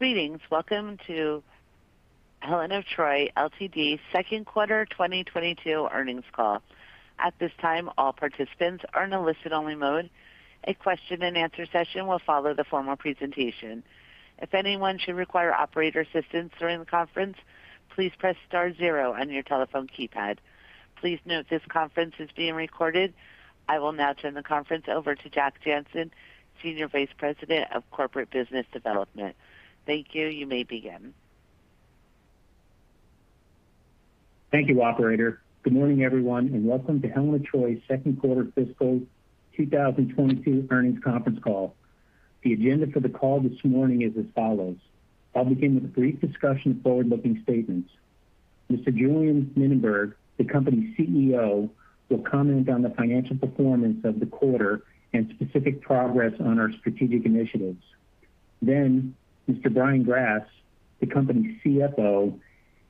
I will now turn the conference over to Jack Jancin, Senior Vice President of Corporate Business Development. Thank you. You may begin. Thank you, operator. Good morning, everyone, and welcome to Helen of Troy second quarter fiscal 2022 earnings conference call. The agenda for the call this morning is as follows. I'll begin with a brief discussion of forward-looking statements. Mr. Julien Mininberg, the company's Chief Executive Officer, will comment on the financial performance of the quarter and specific progress on our strategic initiatives. Mr. Brian Grass, the company's Chief Financial Officer,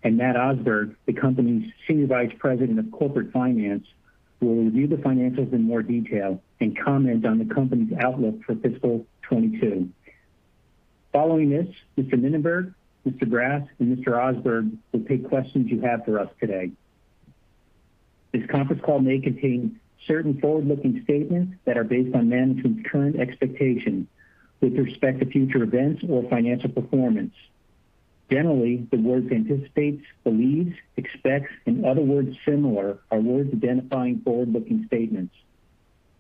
and Matt Osberg, the company's Senior Vice President of Corporate Finance, will review the financials in more detail and comment on the company's outlook for fiscal 2022. Following this, Mr. Mininberg, Mr. Grass, and Mr. Osberg will take questions you have for us today. This conference call may contain certain forward-looking statements that are based on management's current expectations with respect to future events or financial performance. Generally, the words anticipates, believes, expects, and other words similar are words identifying forward-looking statements.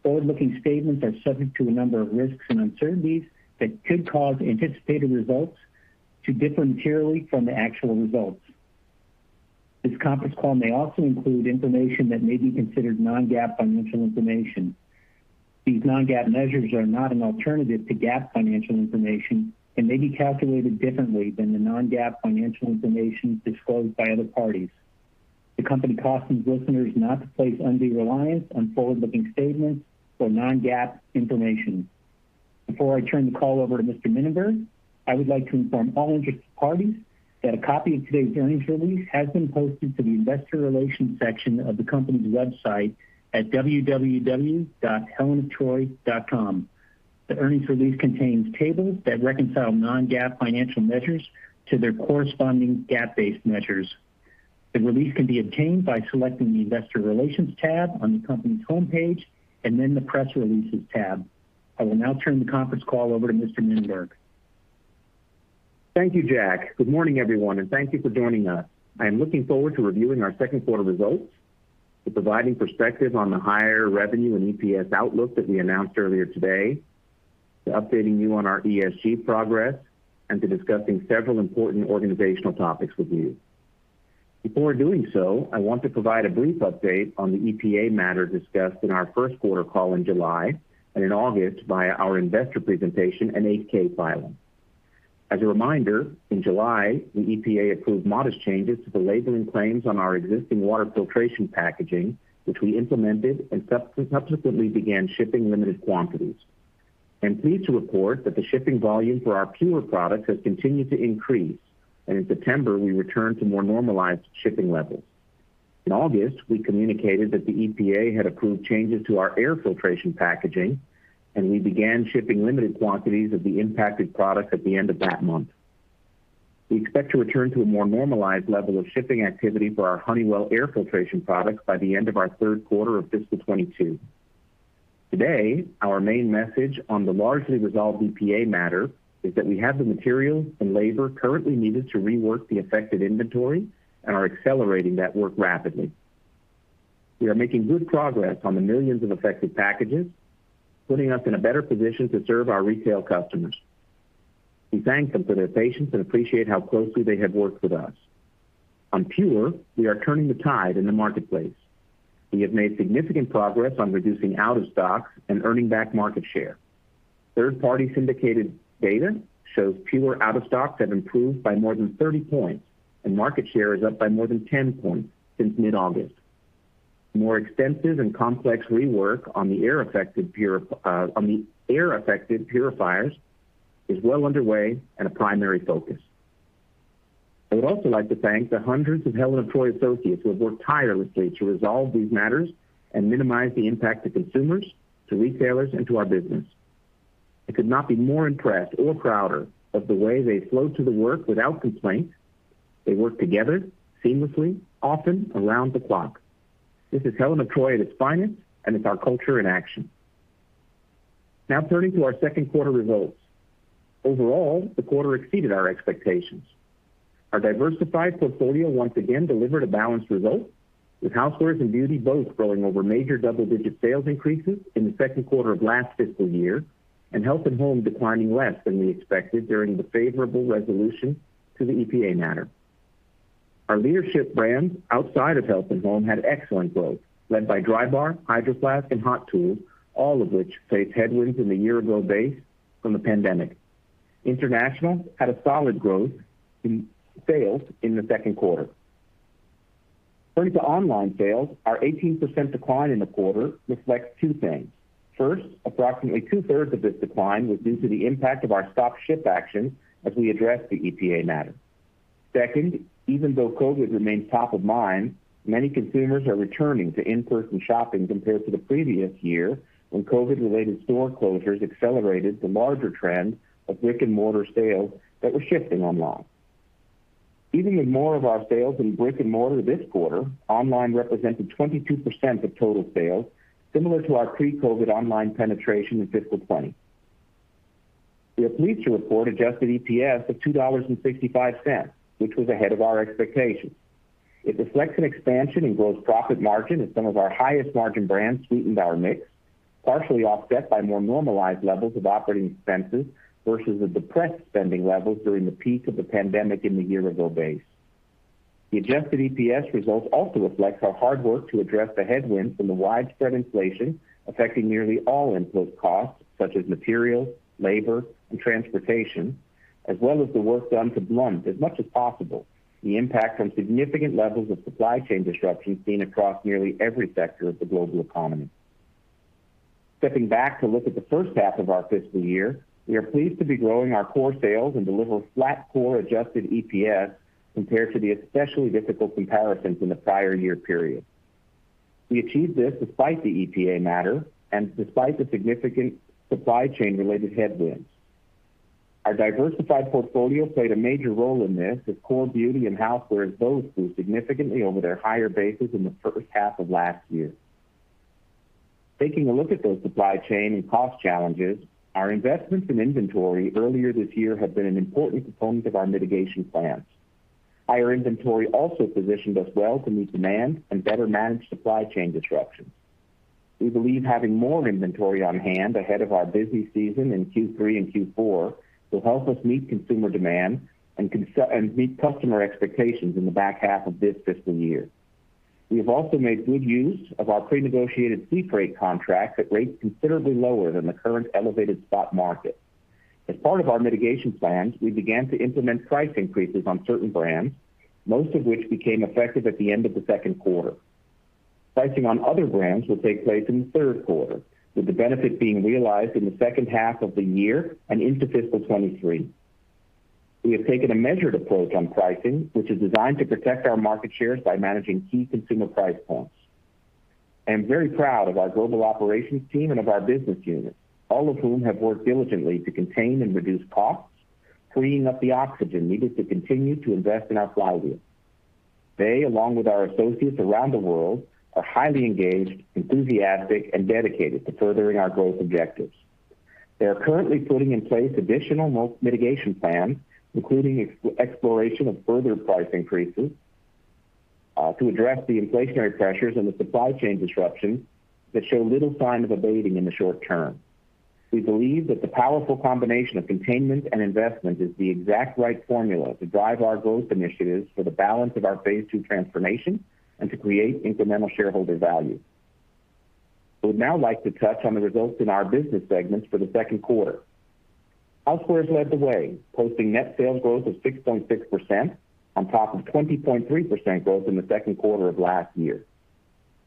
Forward-looking statements are subject to a number of risks and uncertainties that could cause anticipated results to differ materially from the actual results. This conference call may also include information that may be considered non-GAAP financial information. These non-GAAP measures are not an alternative to GAAP financial information and may be calculated differently than the non-GAAP financial information disclosed by other parties. The company cautions listeners not to place undue reliance on forward-looking statements or non-GAAP information. Before I turn the call over to Mr. Mininberg, I would like to inform all interested parties that a copy of today's earnings release has been posted to the investor relations section of the company's website at www.helenoftroy.com. The earnings release contains tables that reconcile non-GAAP financial measures to their corresponding GAAP-based measures. The release can be obtained by selecting the investor relations tab on the company's homepage, then the press releases tab. I will now turn the conference call over to Mr. Mininberg. Thank you, Jack. Good morning, everyone, and thank you for joining us. I am looking forward to reviewing our second quarter results, to providing perspective on the higher revenue and EPS outlook that we announced earlier today, to updating you on our ESG progress, and to discussing several important organizational topics with you. Before doing so, I want to provide a brief update on the EPA matter discussed in our first quarter call in July, and in August via our investor presentation and 8-K filing. As a reminder, in July, the EPA approved modest changes to the labeling claims on our existing water filtration packaging, which we implemented and subsequently began shipping limited quantities. I'm pleased to report that the shipping volume for our PUR products has continued to increase, and in September, we returned to more normalized shipping levels. In August, we communicated that the EPA had approved changes to our air filtration packaging, and we began shipping limited quantities of the impacted product at the end of that month. We expect to return to a more normalized level of shipping activity for our Honeywell air filtration products by the end of our third quarter of fiscal 2022. Today, our main message on the largely resolved EPA matter is that we have the materials and labor currently needed to rework the affected inventory and are accelerating that work rapidly. We are making good progress on the millions of affected packages, putting us in a better position to serve our retail customers. We thank them for their patience and appreciate how closely they have worked with us. On PUR, we are turning the tide in the marketplace. We have made significant progress on reducing out of stocks and earning back market share. Third-party syndicated data shows PUR out of stocks have improved by more than 30 points, and market share is up by more than 10 points since mid-August. More extensive and complex rework on the air-affected purifiers is well underway and a primary focus. I would also like to thank the hundreds of Helen of Troy associates who have worked tirelessly to resolve these matters and minimize the impact to consumers, to retailers, and to our business. I could not be more impressed or prouder of the way they flowed to the work without complaint. They worked together seamlessly, often around the clock. This is Helen of Troy at its finest, and it's our culture in action. Now turning to our second quarter results. Overall, the quarter exceeded our expectations. Our diversified portfolio once again delivered a balanced result, with Housewares and Beauty both growing over major double-digit sales increases in the second quarter of last fiscal year, and Health and Home declining less than we expected during the favorable resolution to the EPA matter. Our leadership brands outside of Health and Home had excellent growth, led by Drybar, Hydro Flask, and Hot Tools, all of which faced headwinds in the year-ago base from the pandemic. International had a solid growth in sales in the second quarter. Turning to online sales, our 18% decline in the quarter reflects two things. First, approximately two-thirds of this decline was due to the impact of our stop ship action as we addressed the EPA matter. Second, even though COVID remains top of mind, many consumers are returning to in-person shopping compared to the previous year, when COVID-related store closures accelerated the larger trend of brick-and-mortar sales that were shifting online. Even with more of our sales in brick-and-mortar this quarter, online represented 22% of total sales, similar to our pre-COVID online penetration in fiscal 2020. We are pleased to report adjusted EPS of $2.65, which was ahead of our expectations. It reflects an expansion in gross profit margin as some of our highest margin brands sweetened our mix, partially offset by more normalized levels of operating expenses versus the depressed spending levels during the peak of the pandemic in the year-ago base. The adjusted EPS results also reflect our hard work to address the headwinds from the widespread inflation affecting nearly all input costs such as material, labor, and transportation, as well as the work done to blunt, as much as possible, the impact from significant levels of supply chain disruptions seen across nearly every sector of the global economy. Stepping back to look at the first half of our fiscal year, we are pleased to be growing our core sales and deliver flat core adjusted EPS compared to the especially difficult comparisons in the prior year period. We achieved this despite the EPA matter and despite the significant supply chain-related headwinds. Our diversified portfolio played a major role in this, with core beauty and housewares both grew significantly over their higher bases in the first half of last year. Taking a look at those supply chain and cost challenges, our investments in inventory earlier this year have been an important component of our mitigation plans. Higher inventory also positioned us well to meet demand and better manage supply chain disruptions. We believe having more inventory on hand ahead of our busy season in Q3 and Q4 will help us meet consumer demand and meet customer expectations in the back half of this fiscal year. We have also made good use of our pre-negotiated sea freight contracts at rates considerably lower than the current elevated spot market. As part of our mitigation plans, we began to implement price increases on certain brands, most of which became effective at the end of the second quarter. Pricing on other brands will take place in the third quarter, with the benefit being realized in the second half of the year and into fiscal 2023. We have taken a measured approach on pricing, which is designed to protect our market shares by managing key consumer price points. I am very proud of our global operations team and of our business units, all of whom have worked diligently to contain and reduce costs, freeing up the oxygen needed to continue to invest in our flywheel. They, along with our associates around the world, are highly engaged, enthusiastic, and dedicated to furthering our growth objectives. They are currently putting in place additional multi-mitigation plans, including exploration of further price increases, to address the inflationary pressures and the supply chain disruptions that show little sign of abating in the short term. We believe that the powerful combination of containment and investment is the exact right formula to drive our growth initiatives for the balance of our phase II transformation and to create incremental shareholder value. I would now like to touch on the results in our business segments for the second quarter. Home & Outdoor led the way, posting net sales growth of 6.6% on top of 20.3% growth in the second quarter of last year.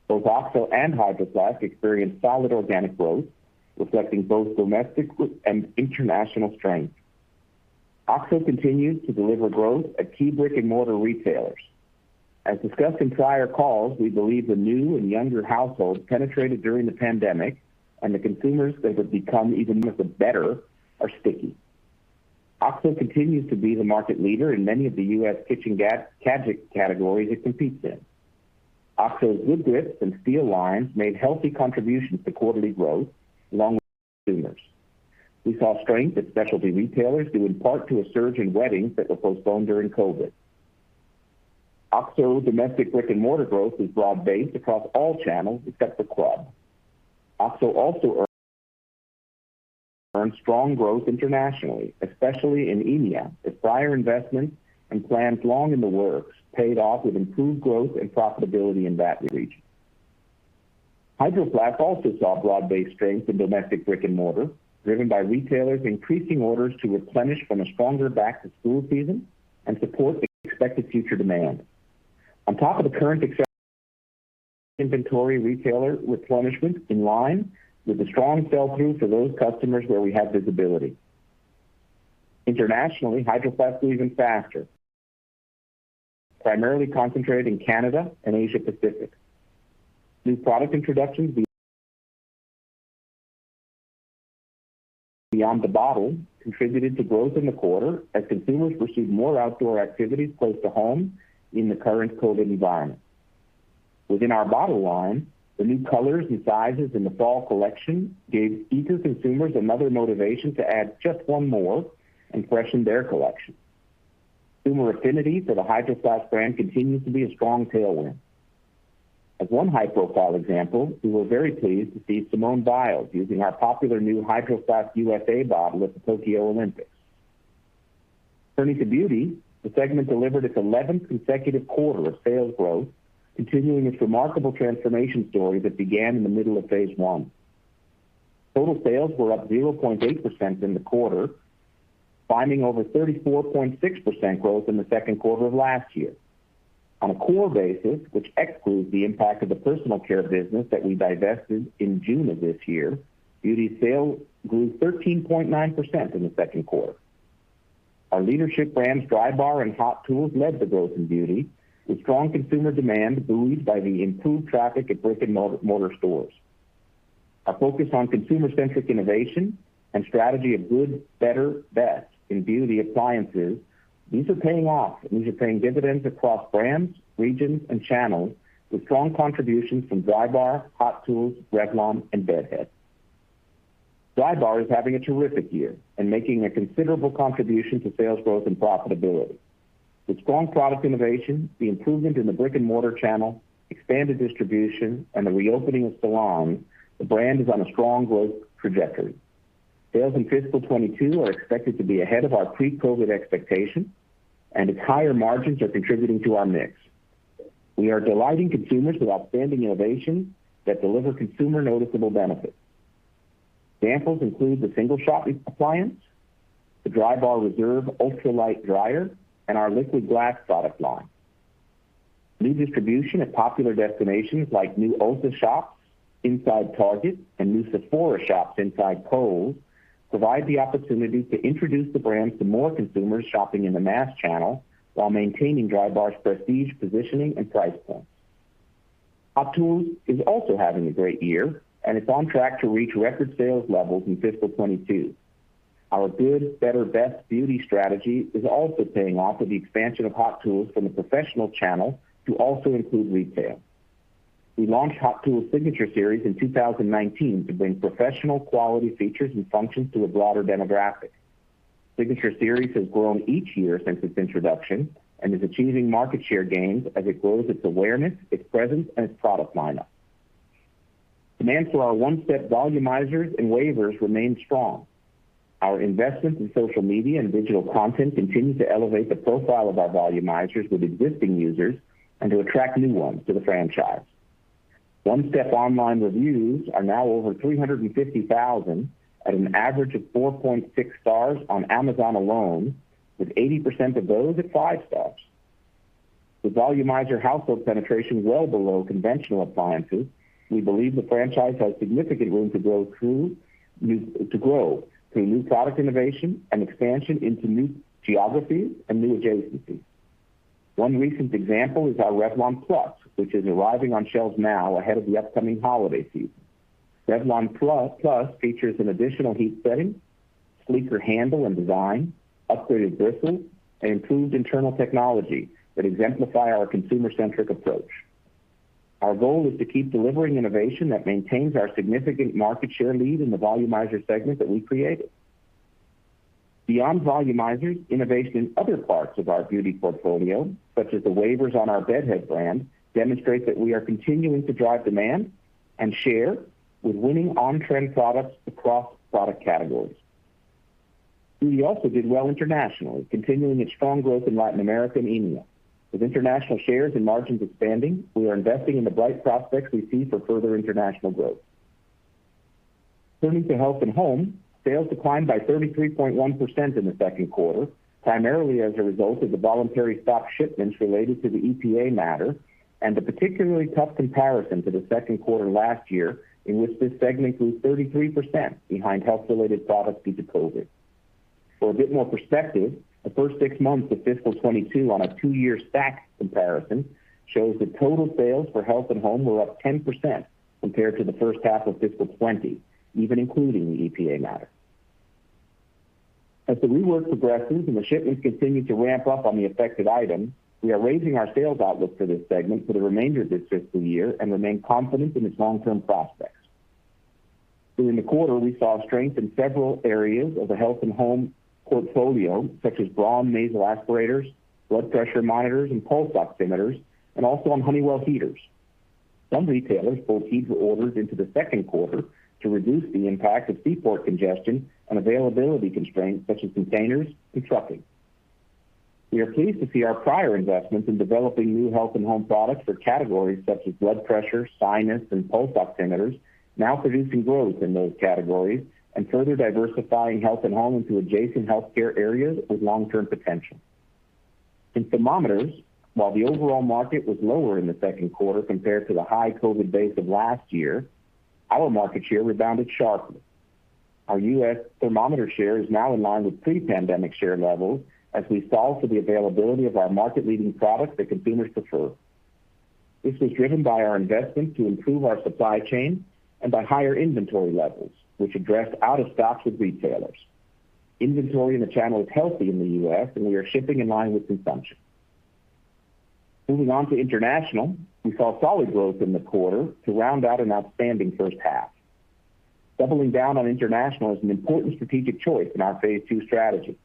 Both OXO and Hydro Flask experienced solid organic growth, reflecting both domestic and international strength. OXO continues to deliver growth at key brick-and-mortar retailers. As discussed in prior calls, we believe the new and younger households penetrated during the pandemic and the consumers they have become, even if for better, are sticky. OXO continues to be the market leader in many of the U.S. kitchen categories it competes in. OXO's Good Grips and SteeL lines made healthy contributions to quarterly growth along with consumers. We saw strength at specialty retailers due in part to a surge in weddings that were postponed during COVID. OXO domestic brick-and-mortar growth was broad-based across all channels except for club. OXO also earned strong growth internationally, especially in EMEA, as prior investments and plans long in the works paid off with improved growth and profitability in that region. Hydro Flask also saw broad-based strength in domestic brick-and-mortar, driven by retailers increasing orders to replenish from a stronger back-to-school season and support expected future demand. On top of the current exceptional inventory, retailer replenishment in line with the strong sell-through for those customers where we have visibility. Internationally, Hydro Flask grew even faster, primarily concentrated in Canada and Asia Pacific. New product introductions beyond the bottle contributed to growth in the quarter as consumers pursued more outdoor activities close to home in the current COVID environment. Within our bottle line, the new colors and sizes in the fall collection gave eager consumers another motivation to add just one more and freshen their collection. Consumer affinity for the Hydro Flask brand continues to be a strong tailwind. As one high-profile example, we were very pleased to see Simone Biles using our popular new Hydro Flask USA bottle at the Tokyo Olympics. Turning to beauty, the segment delivered its 11th consecutive quarter of sales growth, continuing its remarkable transformation story that began in the middle of phase I. Total sales were up 0.8% in the quarter, climbing over 34.6% growth in the second quarter of last year. On a core basis, which excludes the impact of the personal care business that we divested in June of this year, beauty sales grew 13.9% in the second quarter. Our leadership brands, Drybar and Hot Tools, led the growth in beauty with strong consumer demand buoyed by the improved traffic at brick-and-mortar stores. Our focus on consumer-centric innovation and strategy of good, better, best in beauty appliances, these are paying off, and these are paying dividends across brands, regions, and channels with strong contributions from Drybar, Hot Tools, Revlon, and Bed Head. Drybar is having a terrific year and making a considerable contribution to sales growth and profitability. With strong product innovation, the improvement in the brick-and-mortar channel, expanded distribution, and the reopening of salons, the brand is on a strong growth trajectory. Sales in fiscal 2022 are expected to be ahead of our pre-COVID expectations, and its higher margins are contributing to our mix. We are delighting consumers with outstanding innovations that deliver consumer noticeable benefits. Examples include the Single Shot, the Drybar Reserve Ultralight dryer, and our Liquid Glass product line. New distribution at popular destinations like new Ulta Beauty shops inside Target and new Sephora shops inside Kohl's provide the opportunity to introduce the brand to more consumers shopping in the mass channel while maintaining Drybar's prestige positioning and price points. Hot Tools is also having a great year, and it's on track to reach record sales levels in fiscal 2022. Our good, better, best beauty strategy is also paying off with the expansion of Hot Tools from the professional channel to also include retail. We launched Hot Tools Signature Series in 2019 to bring professional quality features and functions to a broader demographic. Signature Series has grown each year since its introduction and is achieving market share gains as it grows its awareness, its presence, and its product lineup. Demand for our One Step volumizers and wavers remains strong. Our investments in social media and digital content continue to elevate the profile of our volumizers with existing users and to attract new ones to the franchise. One Step online reviews are now over 350,000 at an average of 4.6 stars on Amazon alone, with 80% of those at five stars. With volumizer household penetration well below conventional appliances, we believe the franchise has significant room to grow through new product innovation and expansion into new geographies and new adjacencies. One recent example is our Revlon PLUS, which is arriving on shelves now ahead of the upcoming holiday season. Revlon PLUS features an additional heat setting, sleeker handle and design, upgraded bristles, and improved internal technology that exemplify our consumer-centric approach. Our goal is to keep delivering innovation that maintains our significant market share lead in the volumizer segment that we created. Beyond volumizers, innovation in other parts of our beauty portfolio, such as the wavers on our Bed Head brand, demonstrate that we are continuing to drive demand and share with winning on-trend products across product categories. also did well internationally, continuing its strong growth in Latin America and EMEA. With international shares and margins expanding, we are investing in the bright prospects we see for further international growth. Turning to Health and Home, sales declined by 33.1% in the second quarter, primarily as a result of the voluntary stopped shipments related to the EPA matter and the particularly tough comparison to the second quarter last year, in which this segment grew 33% behind health-related products due to COVID. For a bit more perspective, the first six months of fiscal 2022 on a two-year stacked comparison shows that total sales for Health and Home were up 10% compared to the first half of fiscal 2020, even including the EPA matter. As the rework progresses and the shipments continue to ramp up on the affected items, we are raising our sales outlook for this segment for the remainder of this fiscal year and remain confident in its long-term prospects. During the quarter, we saw strength in several areas of the Home & Outdoor portfolio, such as Braun nasal aspirators, blood pressure monitors, and pulse oximeters, and also on Honeywell heaters. Some retailers pulled heater orders into the second quarter to reduce the impact of seaport congestion and availability constraints such as containers and trucking. We are pleased to see our prior investments in developing new Home & Outdoor products for categories such as blood pressure, sinus, and pulse oximeters now producing growth in those categories and further diversifying Home & Outdoor into adjacent healthcare areas with long-term potential. In thermometers, while the overall market was lower in the second quarter compared to the high COVID base of last year, our market share rebounded sharply. Our U.S. thermometer share is now in line with pre-pandemic share levels as we solve for the availability of our market-leading products that consumers prefer. This was driven by our investments to improve our supply chain and by higher inventory levels, which address out of stocks with retailers. Inventory in the channel is healthy in the U.S., and we are shipping in line with consumption. Moving on to international, we saw solid growth in the quarter to round out an outstanding first half. Doubling down on international is an important strategic choice in our phase two strategy.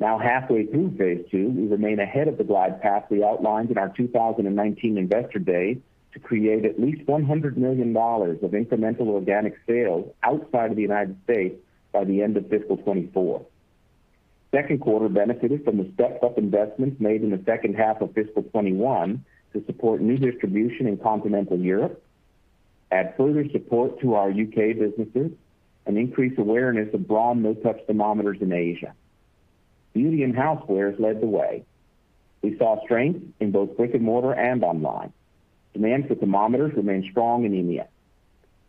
Now halfway through phase two, we remain ahead of the glide path we outlined in our 2019 investor day to create at least $100 million of incremental organic sales outside of the United States by the end of fiscal 2024. Second quarter benefited from the stepped-up investments made in the second half of fiscal 2021 to support new distribution in continental Europe. Add further support to our U.K. businesses and increase awareness of Braun no-touch thermometers in Asia. Beauty and Housewares led the way. We saw strength in both brick and mortar and online. Demand for thermometers remained strong in EMEA.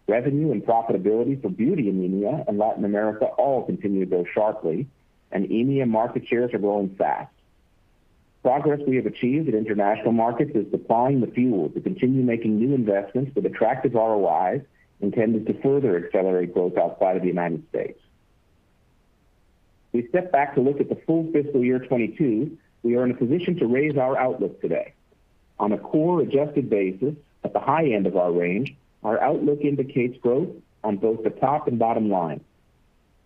Revenue and profitability for Beauty in EMEA and Latin America all continue to grow sharply, and EMEA market shares are growing fast. Progress we have achieved in international markets is supplying the fuel to continue making new investments with attractive ROIs intended to further accelerate growth outside of the United States. We step back to look at the full fiscal year 2022, we are in a position to raise our outlook today. On a core adjusted basis, at the high end of our range, our outlook indicates growth on both the top and bottom line.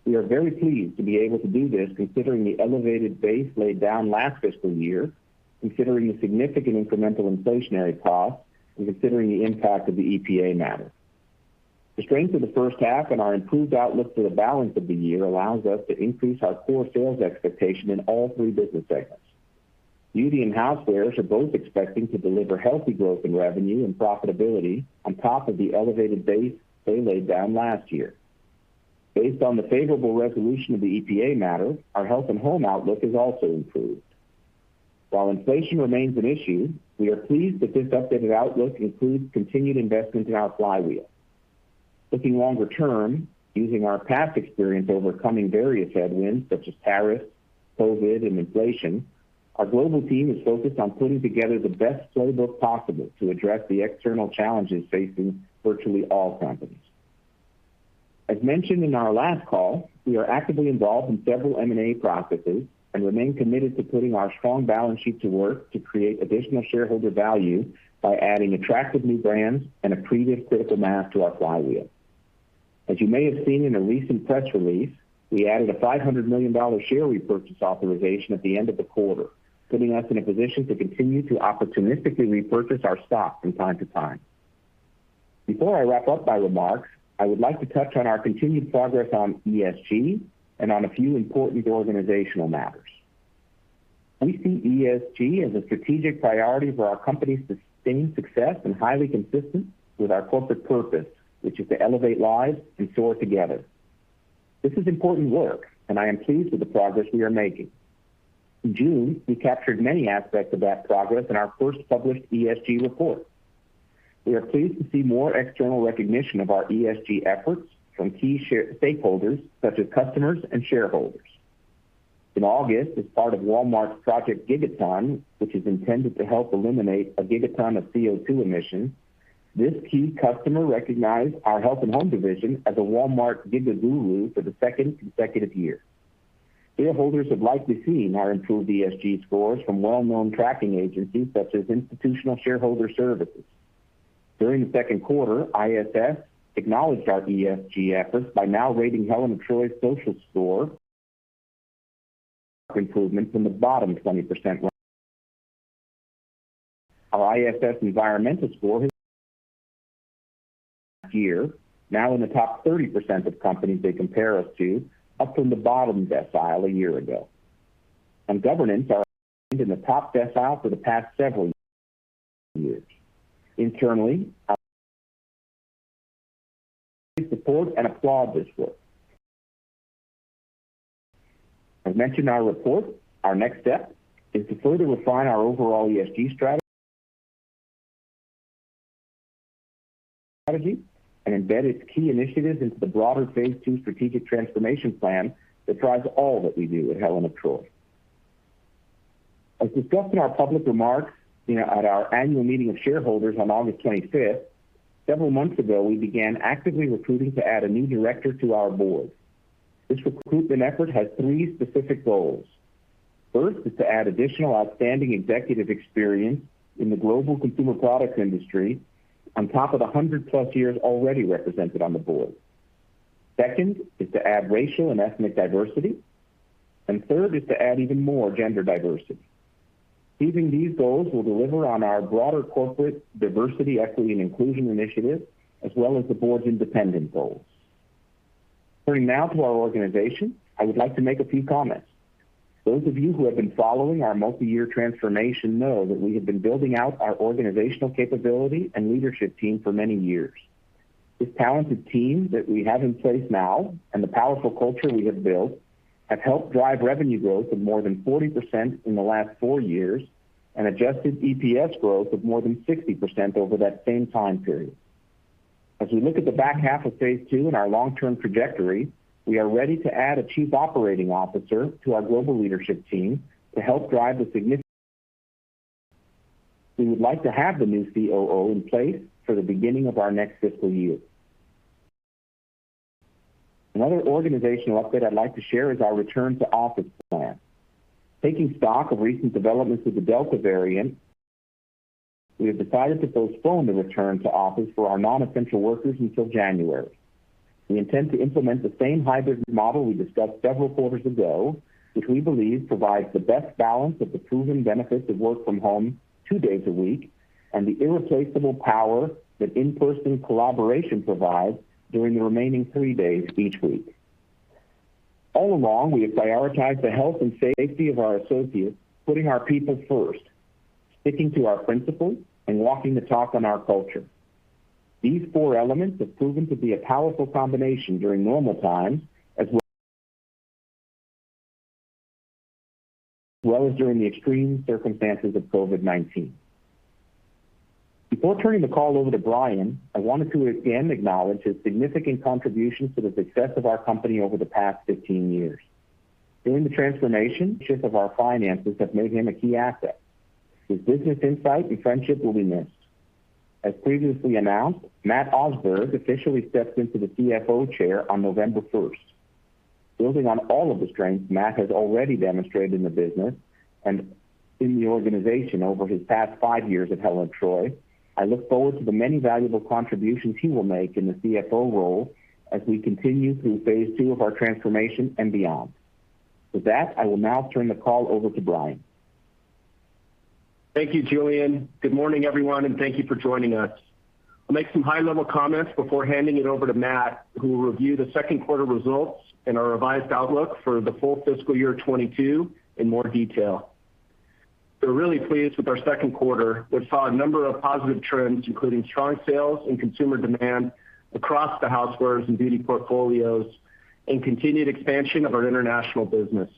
We are very pleased to be able to do this considering the elevated base laid down last fiscal year, considering the significant incremental inflationary costs, and considering the impact of the EPA matter. The strength of the first half and our improved outlook for the balance of the year allows us to increase our core sales expectation in all three business segments. Beauty and Housewares are both expecting to deliver healthy growth in revenue and profitability on top of the elevated base they laid down last year. Based on the favorable resolution of the EPA matter, our Health and Home outlook has also improved. While inflation remains an issue, we are pleased that this updated outlook includes continued investment in our flywheel. Looking longer term, using our past experience overcoming various headwinds such as tariffs, COVID, and inflation, our global team is focused on putting together the best playbook possible to address the external challenges facing virtually all companies. As mentioned in our last call, we are actively involved in several M&A processes and remain committed to putting our strong balance sheet to work to create additional shareholder value by adding attractive new brands and accretive critical mass to our flywheel. As you may have seen in a recent press release, we added a $500 million share repurchase authorization at the end of the quarter, putting us in a position to continue to opportunistically repurchase our stock from time to time. Before I wrap up my remarks, I would like to touch on our continued progress on ESG and on a few important organizational matters. We see ESG as a strategic priority for our company's sustained success and highly consistent with our corporate purpose, which is to elevate lives and soar together. This is important work, and I am pleased with the progress we are making. In June, we captured many aspects of that progress in our first published ESG report. We are pleased to see more external recognition of our ESG efforts from key stakeholders, such as customers and shareholders. In August, as part of Walmart's Project Gigaton, which is intended to help eliminate a gigaton of CO2 emissions, this key customer recognized our Home & Outdoor division as a Walmart Giga Guru for the second consecutive year. Shareholders have likely seen our improved ESG scores from well-known tracking agencies such as Institutional Shareholder Services. During the second quarter, ISS acknowledged our ESG efforts by now rating Helen of Troy's social score improvements in the bottom 20% range. Our ISS environmental score has year, now in the top 30% of companies they compare us to, up from the bottom decile a year ago. On governance, our in the top decile for the past several years. Internally, our support and applaud this work. As mentioned in our report, our next step is to further refine our overall ESG strategy and embed its key initiatives into the broader phase II strategic transformation plan that drives all that we do at Helen of Troy. As discussed in our public remarks at our annual meeting of shareholders on August 25th, several months ago, we began actively recruiting to add a new director to our board. This recruitment effort has three specific goals. First is to add additional outstanding executive experience in the global consumer product industry on top of the 100+ years already represented on the board. Second is to add racial and ethnic diversity. Third is to add even more gender diversity. Achieving these goals will deliver on our broader corporate diversity, equity, and inclusion initiative, as well as the board's independent goals. Turning now to our organization, I would like to make a few comments. Those of you who have been following our multi-year transformation know that we have been building out our organizational capability and leadership team for many years. This talented team that we have in place now and the powerful culture we have built have helped drive revenue growth of more than 40% in the last four years and adjusted EPS growth of more than 60% over that same time period. As we look at the back half of phase II and our long-term trajectory, we are ready to add a Chief Operating Officer to our global leadership team to help drive the significant. We would like to have the new Chief Operating Officer in place for the beginning of our next fiscal year. Another organizational update I'd like to share is our return to office plan. Taking stock of recent developments with the Delta variant, we have decided to postpone the return to office for our non-essential workers until January. We intend to implement the same hybrid model we discussed several quarters ago, which we believe provides the best balance of the proven benefits of work from home two days a week and the irreplaceable power that in-person collaboration provides during the remaining three days each week. All along, we have prioritized the health and safety of our associates, putting our people first, sticking to our principles, and walking the talk on our culture. These four elements have proven to be a powerful combination during normal times as well as during the extreme circumstances of COVID-19. Before turning the call over to Brian, I wanted to again acknowledge his significant contributions to the success of our company over the past 15 years. During the transformation, his leadership of our finances have made him a key asset. His business insight and friendship will be missed. As previously announced, Matt Osberg officially steps into the Chief Financial Officer chair on November 1st. Building on all of the strengths Matt has already demonstrated in the business and in the organization over his past five years at Helen of Troy, I look forward to the many valuable contributions he will make in the Chief Financial Officer role as we continue through phase II of our transformation and beyond. With that, I will now turn the call over to Brian. Thank you, Julien. Good morning, everyone, and thank you for joining us. I'll make some high-level comments before handing it over to Matt, who will review the second quarter results and our revised outlook for the full fiscal year 2022 in more detail. We're really pleased with our second quarter, which saw a number of positive trends, including strong sales and consumer demand across the housewares and beauty portfolios and continued expansion of our international business.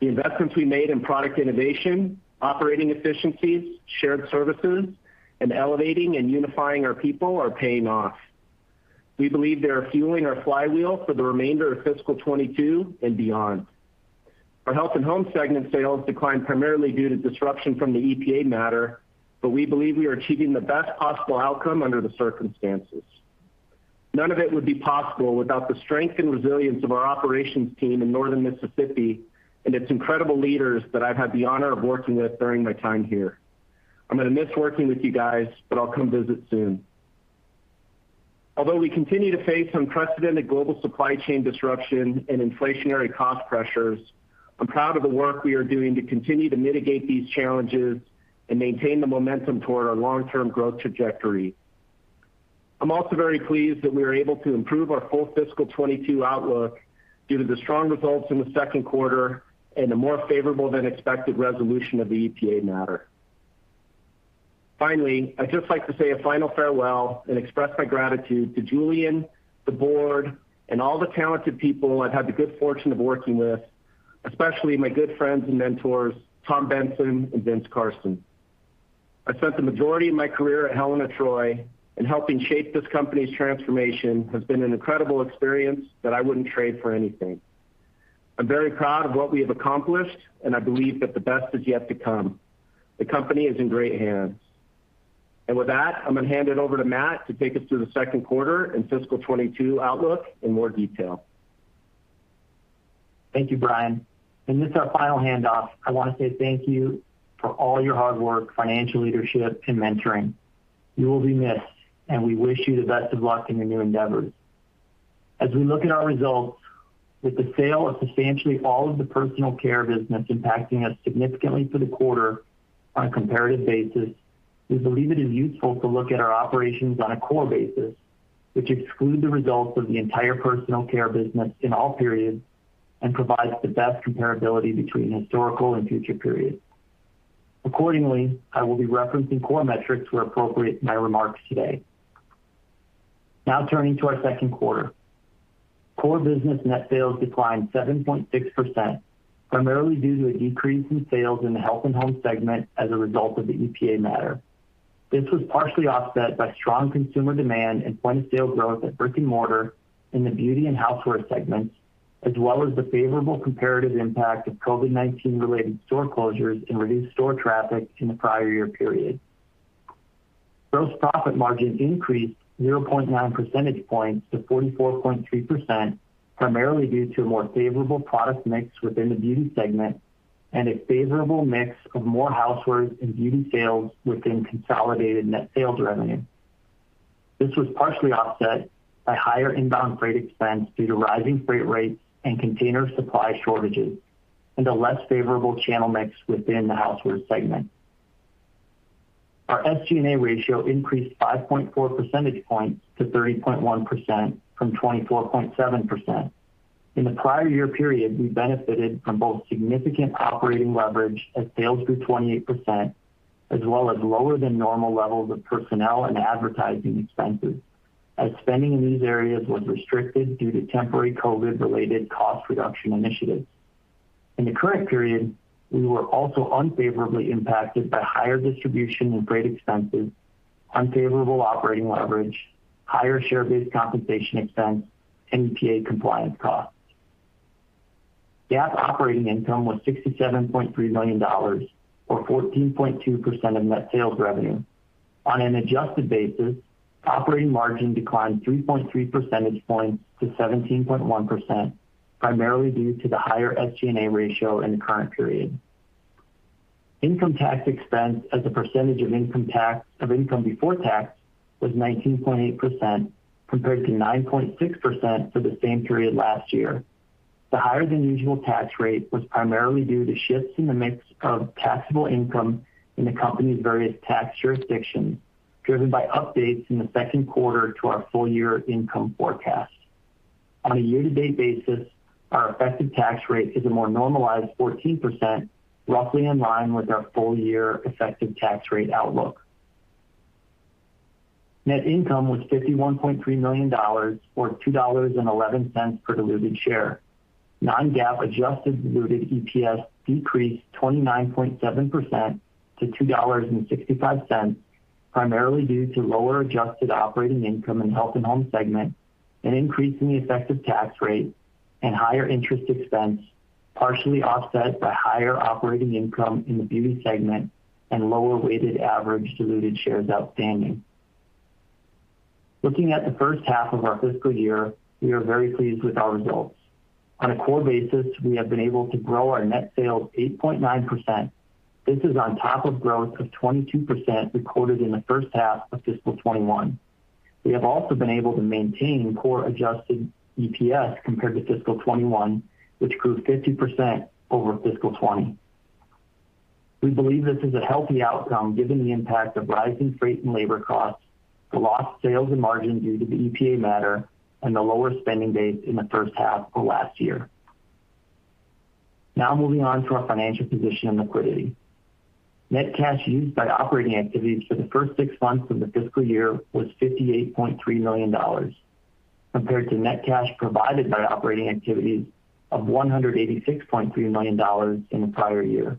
The investments we made in product innovation, operating efficiencies, shared services, and elevating and unifying our people are paying off. We believe they are fueling our flywheel for the remainder of fiscal 2022 and beyond. Our Health & Home segment sales declined primarily due to disruption from the EPA matter, but we believe we are achieving the best possible outcome under the circumstances. None of it would be possible without the strength and resilience of our operations team in Northern Mississippi and its incredible leaders that I've had the honor of working with during my time here. I'm going to miss working with you guys, but I'll come visit soon. Although we continue to face unprecedented global supply chain disruption and inflationary cost pressures, I'm proud of the work we are doing to continue to mitigate these challenges and maintain the momentum toward our long-term growth trajectory. I'm also very pleased that we are able to improve our full fiscal 2022 outlook due to the strong results in the second quarter and a more favorable than expected resolution of the EPA matter. Finally, I'd just like to say a final farewell and express my gratitude to Julien Mininberg, the board, and all the talented people I've had the good fortune of working with, especially my good friends and mentors, Thomas J. Benson and Vincent Carson. I spent the majority of my career at Helen of Troy, and helping shape this company's transformation has been an incredible experience that I wouldn't trade for anything. I'm very proud of what we have accomplished, and I believe that the best is yet to come. The company is in great hands. With that, I'm going to hand it over to Matt Osberg to take us through the second quarter and fiscal 2022 outlook in more detail. Thank you, Brian. This our final handoff, I want to say thank you for all your hard work, financial leadership, and mentoring. You will be missed, we wish you the best of luck in your new endeavors. As we look at our results, with the sale of substantially all of the personal care business impacting us significantly for the quarter on a comparative basis, we believe it is useful to look at our operations on a core basis, which exclude the results of the entire personal care business in all periods and provides the best comparability between historical and future periods. Accordingly, I will be referencing core metrics where appropriate in my remarks today. Turning to our second quarter. Core business net sales declined 7.6%, primarily due to a decrease in sales in the Health and home segment as a result of the EPA matter. This was partially offset by strong consumer demand and point-of-sale growth at brick-and-mortar in the beauty and housewares segments, as well as the favorable comparative impact of COVID-19-related store closures and reduced store traffic in the prior year period. Gross profit margin increased 0.9 percentage points to 44.3%, primarily due to a more favorable product mix within the beauty segment and a favorable mix of more housewares and beauty sales within consolidated net sales revenue. This was partially offset by higher inbound freight expense due to rising freight rates and container supply shortages, and a less favorable channel mix within the housewares segment. Our SG&A ratio increased 5.4 percentage points to 30.1% from 24.7%. In the prior year period, we benefited from both significant operating leverage as sales grew 28%, as well as lower than normal levels of personnel and advertising expenses, as spending in these areas was restricted due to temporary COVID-related cost reduction initiatives. In the current period, we were also unfavorably impacted by higher distribution and freight expenses, unfavorable operating leverage, higher share-based compensation expense, and EPA compliance costs. GAAP operating income was $67.3 million, or 14.2% of net sales revenue. On an adjusted basis, operating margin declined 3.3 percentage points to 17.1%, primarily due to the higher SGA ratio in the current period. Income tax expense as a percentage of income before tax was 19.8%, compared to 9.6% for the same period last year. The higher-than-usual tax rate was primarily due to shifts in the mix of taxable income in the company's various tax jurisdictions. Driven by updates in the second quarter to our full-year income forecast. On a year-to-date basis, our effective tax rate is a more normalized 14%, roughly in line with our full-year effective tax rate outlook. Net income was $51.3 million, or $2.11 per diluted share. Non-GAAP adjusted diluted EPS decreased 29.7% to $2.65, primarily due to lower adjusted operating income in Home & Outdoor segment, an increase in the effective tax rate, and higher interest expense, partially offset by higher operating income in the Beauty segment and lower weighted average diluted shares outstanding. Looking at the first half of our fiscal year, we are very pleased with our results. On a core basis, we have been able to grow our net sales 8.9%. This is on top of growth of 22% recorded in the first half of fiscal 2021. We have also been able to maintain core adjusted EPS compared to fiscal 2021, which grew 50% over fiscal 2020. We believe this is a healthy outcome given the impact of rising freight and labor costs, the lost sales and margin due to the EPA matter, and the lower spending base in the first half of last year. Now moving on to our financial position and liquidity. Net cash used by operating activities for the first six months of the fiscal year was $58.3 million, compared to net cash provided by operating activities of $186.3 million in the prior year.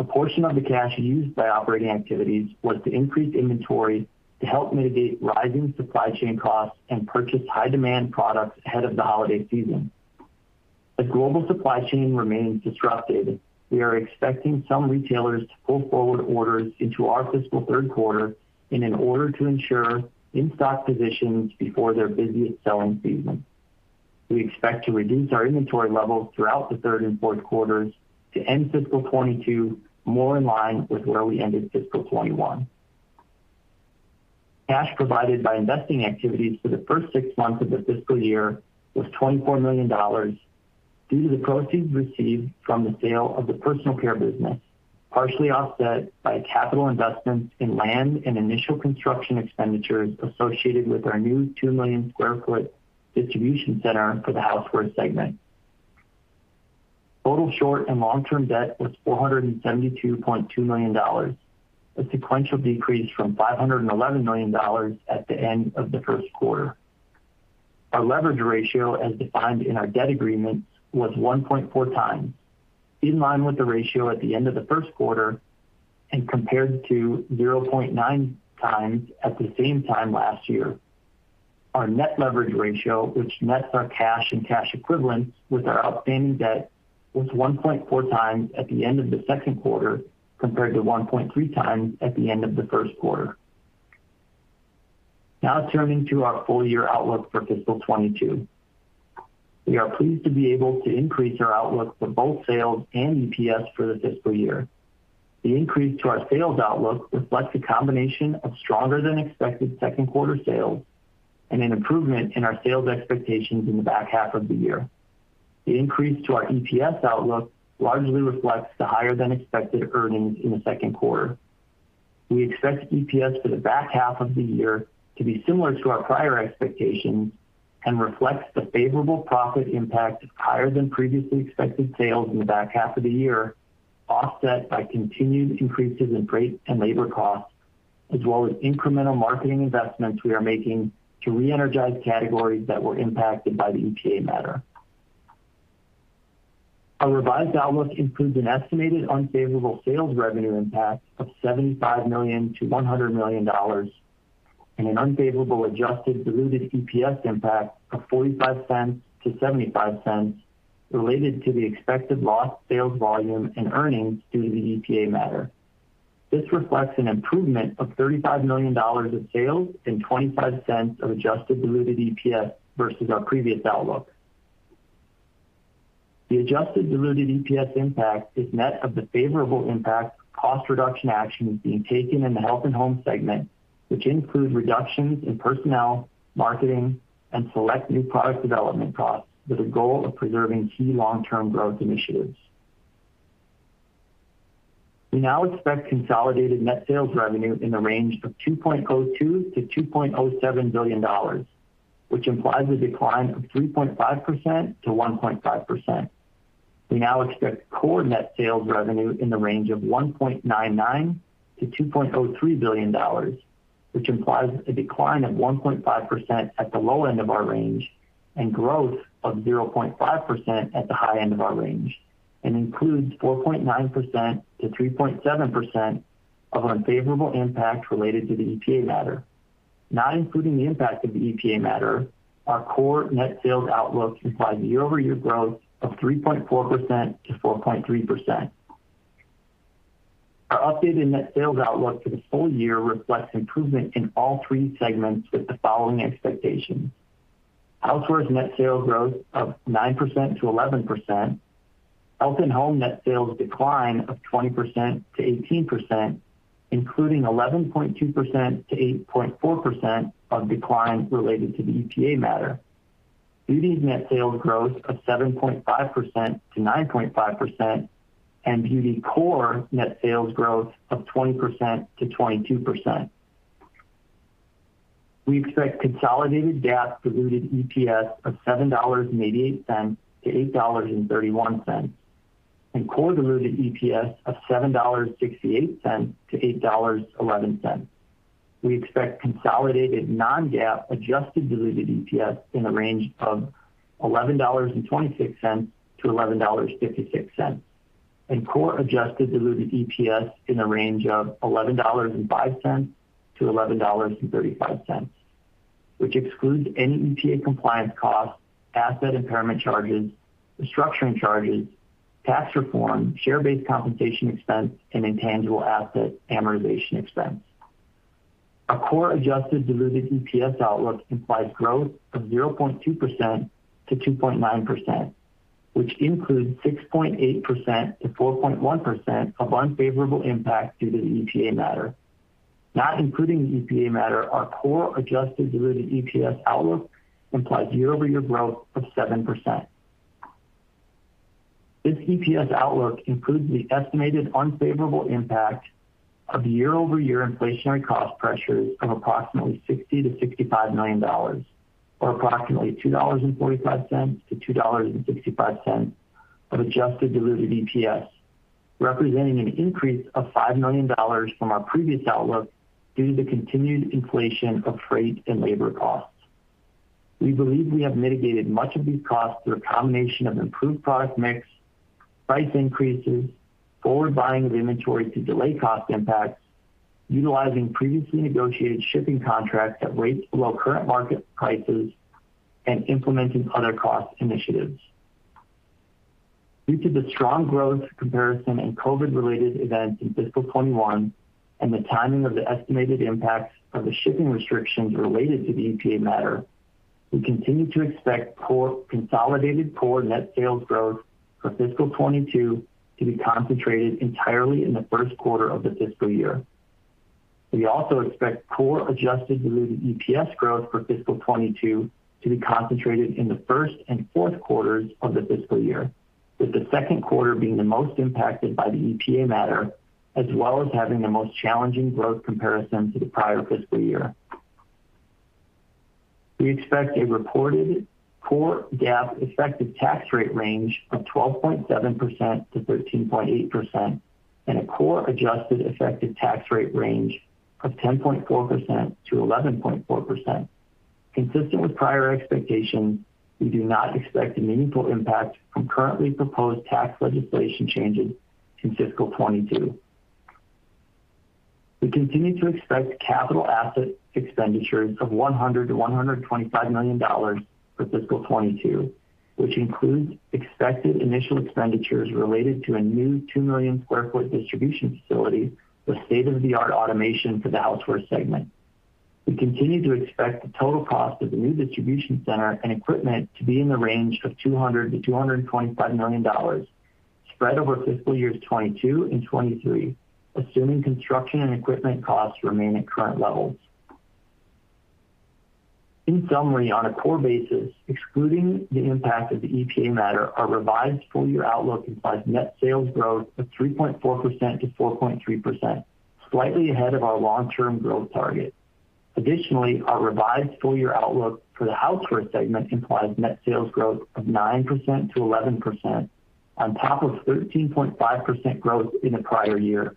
A portion of the cash used by operating activities was to increase inventory to help mitigate rising supply chain costs and purchase high-demand products ahead of the holiday season. As global supply chain remains disrupted, we are expecting some retailers to pull forward orders into our fiscal third quarter in order to ensure in-stock positions before their busiest selling season. We expect to reduce our inventory levels throughout the third and fourth quarters to end fiscal 2022 more in line with where we ended fiscal 2021. Cash provided by investing activities for the first six months of the fiscal year was $24 million due to the proceeds received from the sale of the Personal Care business, partially offset by capital investments in land and initial construction expenditures associated with our new 2-million-square-foot distribution center for the Housewares segment. Total short- and long-term debt was $472.2 million, a sequential decrease from $511 million at the end of the first quarter. Our leverage ratio, as defined in our debt agreement, was 1.4x, in line with the ratio at the end of the first quarter and compared to 0.9x at the same time last year. Our net leverage ratio, which nets our cash and cash equivalents with our outstanding debt, was 1.4x at the end of the second quarter, compared to 1.3x at the end of the first quarter. Now turning to our full-year outlook for fiscal 2022. We are pleased to be able to increase our outlook for both sales and EPS for the fiscal year. The increase to our sales outlook reflects a combination of stronger-than-expected second quarter sales and an improvement in our sales expectations in the back half of the year. The increase to our EPS outlook largely reflects the higher-than-expected earnings in the second quarter. We expect EPS for the back half of the year to be similar to our prior expectations and reflects the favorable profit impact of higher-than-previously expected sales in the back half of the year, offset by continued increases in freight and labor costs, as well as incremental marketing investments we are making to reenergize categories that were impacted by the EPA matter. Our revised outlook includes an estimated unfavorable sales revenue impact of $75 million-$100 million and an unfavorable adjusted diluted EPS impact of $0.45-$0.75 related to the expected lost sales volume and earnings due to the EPA matter. This reflects an improvement of $35 million of sales and $0.25 of adjusted diluted EPS versus our previous outlook. The adjusted diluted EPS impact is net of the favorable impact of cost reduction actions being taken in the Health & Home segment, which include reductions in personnel, marketing, and select new product development costs, with a goal of preserving key long-term growth initiatives. We now expect consolidated net sales revenue in the range of $2.02 billion-$2.07 billion, which implies a decline of 3.5%-1.5%. We now expect core net sales revenue in the range of $1.99 billion-$2.03 billion, which implies a decline of 1.5% at the low end of our range and growth of 0.5% at the high end of our range and includes 4.9%-3.7% of unfavorable impact related to the EPA matter. Not including the impact of the EPA matter, our core net sales outlook implies year-over-year growth of 3.4%-4.3%. Our updated net sales outlook for the full year reflects improvement in all three segments with the following expectations. Housewares net sales growth of 9%-11%, Health & Home net sales decline of 20%-18%, including 11.2%-8.4% of declines related to the EPA matter. Beauty's net sales growth of 7.5%-9.5%, and Beauty core net sales growth of 20%-22%. We expect consolidated GAAP diluted EPS of $7.88-$8.31, and core diluted EPS of $7.68-$8.11. We expect consolidated non-GAAP adjusted diluted EPS in the range of $11.26-$11.56, and core adjusted diluted EPS in the range of $11.05-$11.35, which excludes any EPA compliance costs, asset impairment charges, restructuring charges, tax reform, share-based compensation expense, and intangible asset amortization expense. Our core adjusted diluted EPS outlook implies growth of 0.2%-2.9%, which includes 6.8%-4.1% of unfavorable impact due to the EPA matter. Not including the EPA matter, our core adjusted diluted EPS outlook implies year-over-year growth of 7%. This EPS outlook includes the estimated unfavorable impact of year-over-year inflationary cost pressures of approximately $60 million-$65 million, or approximately $2.45-$2.65 of adjusted diluted EPS, representing an increase of $5 million from our previous outlook due to the continued inflation of freight and labor costs. We believe we have mitigated much of these costs through a combination of improved product mix, price increases, forward buying of inventory to delay cost impacts, utilizing previously negotiated shipping contracts at rates below current market prices, and implementing other cost initiatives. Due to the strong growth comparison and COVID-related events in fiscal 2021, and the timing of the estimated impacts of the shipping restrictions related to the EPA matter, we continue to expect consolidated core net sales growth for fiscal 2022 to be concentrated entirely in the first quarter of the fiscal year. We also expect core adjusted diluted EPS growth for fiscal 2022 to be concentrated in the first and fourth quarters of the fiscal year, with the second quarter being the most impacted by the EPA matter, as well as having the most challenging growth comparison to the prior fiscal year. We expect a reported core GAAP effective tax rate range of 12.7%-13.8%, and a core adjusted effective tax rate range of 10.4%-11.4%. Consistent with prior expectations, we do not expect a meaningful impact from currently proposed tax legislation changes in fiscal 2022. We continue to expect capital asset expenditures of $100 million-$125 million for fiscal 2022, which includes expected initial expenditures related to a new 2 million-square-foot distribution facility with state-of-the-art automation for the Outdoor segment. We continue to expect the total cost of the new distribution center and equipment to be in the range of $200 million-$225 million, spread over fiscal years 2022 and 2023, assuming construction and equipment costs remain at current levels. In summary, on a core basis, excluding the impact of the EPA matter, our revised full-year outlook implies net sales growth of 3.4%-4.3%, slightly ahead of our long-term growth target. Additionally, our revised full-year outlook for the Outdoor segment implies net sales growth of 9%-11%, on top of 13.5% growth in the prior year.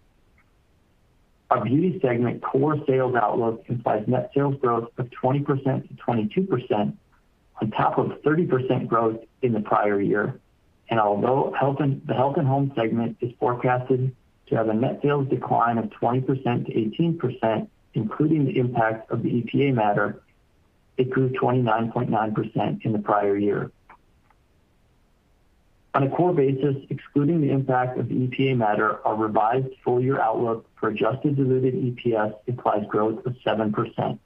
Our Beauty segment core sales outlook implies net sales growth of 20% to 22%, on top of 30% growth in the prior year. Although the Health & Home segment is forecasted to have a net sales decline of 20% to 18%, including the impact of the EPA matter, it grew 29.9% in the prior year. On a core basis, excluding the impact of the EPA matter, our revised full-year outlook for adjusted diluted EPS implies growth of 7%,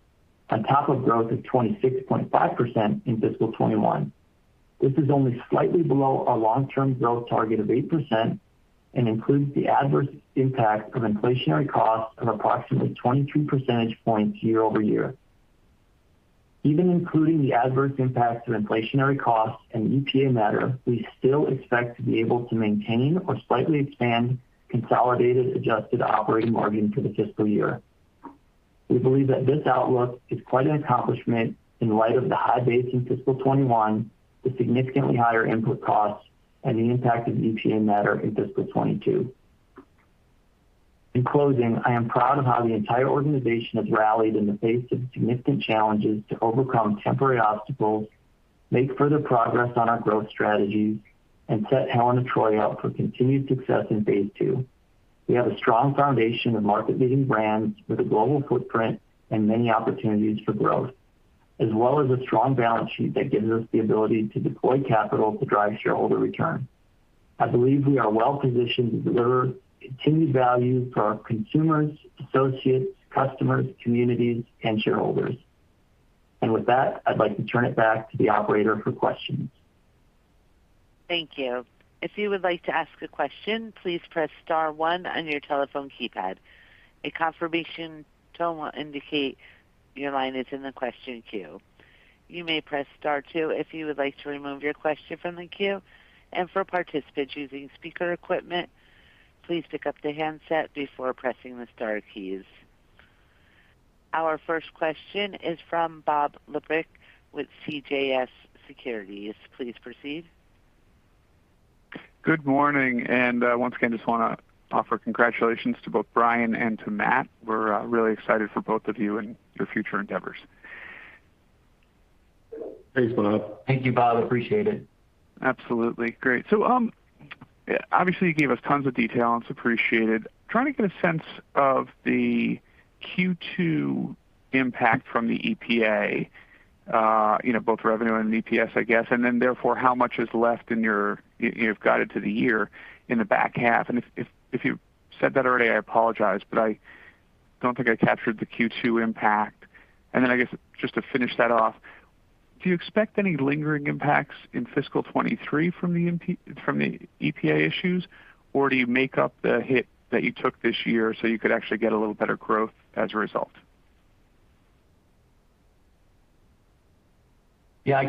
on top of growth of 26.5% in fiscal 2021. This is only slightly below our long-term growth target of 8% and includes the adverse impact of inflationary costs of approximately 23 percentage points year-over-year. Even including the adverse impacts of inflationary costs and EPA matter, we still expect to be able to maintain or slightly expand consolidated adjusted operating margin for the fiscal year. We believe that this outlook is quite an accomplishment in light of the high base in fiscal 2021, the significantly higher input costs, and the impact of EPA matter in fiscal 2022. In closing, I am proud of how the entire organization has rallied in the face of significant challenges to overcome temporary obstacles, make further progress on our growth strategies, and set Helen of Troy up for continued success in phase II. We have a strong foundation of market-leading brands with a global footprint and many opportunities for growth, as well as a strong balance sheet that gives us the ability to deploy capital to drive shareholder return. I believe we are well-positioned to deliver continued value for our consumers, associates, customers, communities, and shareholders. With that, I'd like to turn it back to the operator for questions. Thank you. If you would like to ask a question, please press star one on your telephone keypad. A confirmation tone will indicate your line is in the question queue. You may press star two if you would like to remove your question from the queue. For participants using speaker equipment, please pick up the handset before pressing the star keys. Our first question is from Bob Labick with CJS Securities. Please proceed. Good morning. We just want to offer congratulations to both Brian and to Matt. We're really excited for both of you and your future endeavors. Thanks, Bob. Thank you, Bob. Appreciate it. Absolutely. Great. Obviously you gave us tons of detail, and it's appreciated. Trying to get a sense of the Q2 impact from the EPA, both revenue and EPS, I guess, and then therefore, how much is left in your, you've guided to the year, in the back half. If you said that already, I apologize, but I don't think I captured the Q2 impact. Then I guess, just to finish that off, do you expect any lingering impacts in fiscal 2023 from the EPA issues, or do you make up the hit that you took this year, so you could actually get a little better growth as a result? Yeah.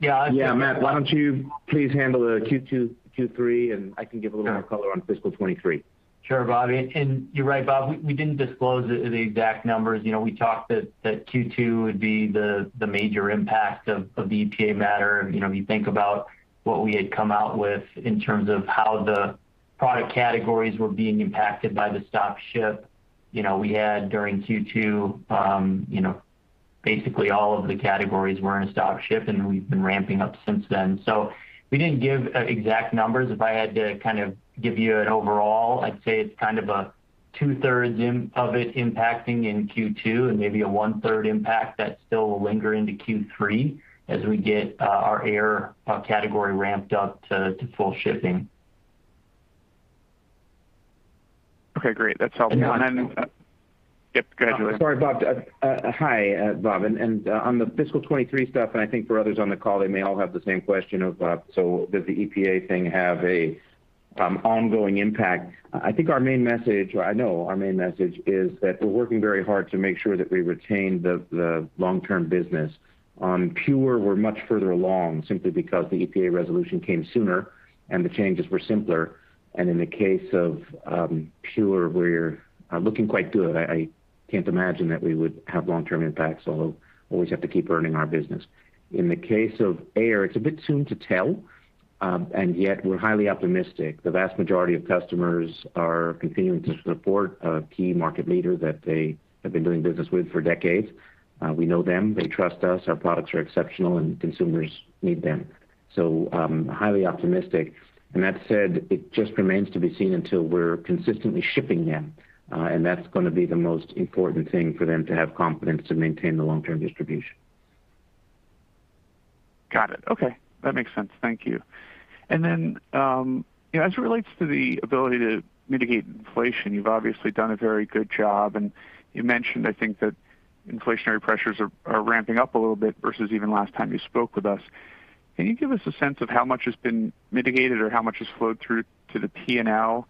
Yeah. Matt, why don't you please handle the Q2, Q3, and I can give a little more color on fiscal 2023. Sure, Bobby. You're right, Bob, we didn't disclose the exact numbers. We talked that Q2 would be the major impact of the EPA matter. If you think about what we had come out with in terms of how the product categories were being impacted by the stop ship. We had, during Q2, basically all of the categories were in a stop ship, and we've been ramping up since then. We didn't give exact numbers. If I had to kind of give you an overall, I'd say it's kind of a two-thirds of it impacting in Q2, and maybe a one-third impact that still will linger into Q3 as we get our air category ramped up to full shipping. Okay, great. That's helpful. Yes, go ahead, Julien. Sorry, Bob. Hi, Bob. On the fiscal 2023 stuff, I think for others on the call, they may all have the same question of, does the EPA thing have an ongoing impact? I think our main message, or I know our main message is that we're working very hard to make sure that we retain the long-term business. On PUR, we're much further along simply because the EPA resolution came sooner and the changes were simpler. In the case of PUR, we're looking quite good. I can't imagine that we would have long-term impacts, although always have to keep earning our business. In the case of air, it's a bit soon to tell, and yet we're highly optimistic. The vast majority of customers are continuing to support a key market leader that they have been doing business with for decades. We know them. They trust us. Our products are exceptional. Consumers need them. Highly optimistic. That said, it just remains to be seen until we're consistently shipping them. That's going to be the most important thing for them to have confidence to maintain the long-term distribution. Got it. Okay. That makes sense. Thank you. As it relates to the ability to mitigate inflation, you've obviously done a very good job, and you mentioned, I think, that inflationary pressures are ramping up a little bit versus even last time you spoke with us. Can you give us a sense of how much has been mitigated or how much has flowed through to the P&L?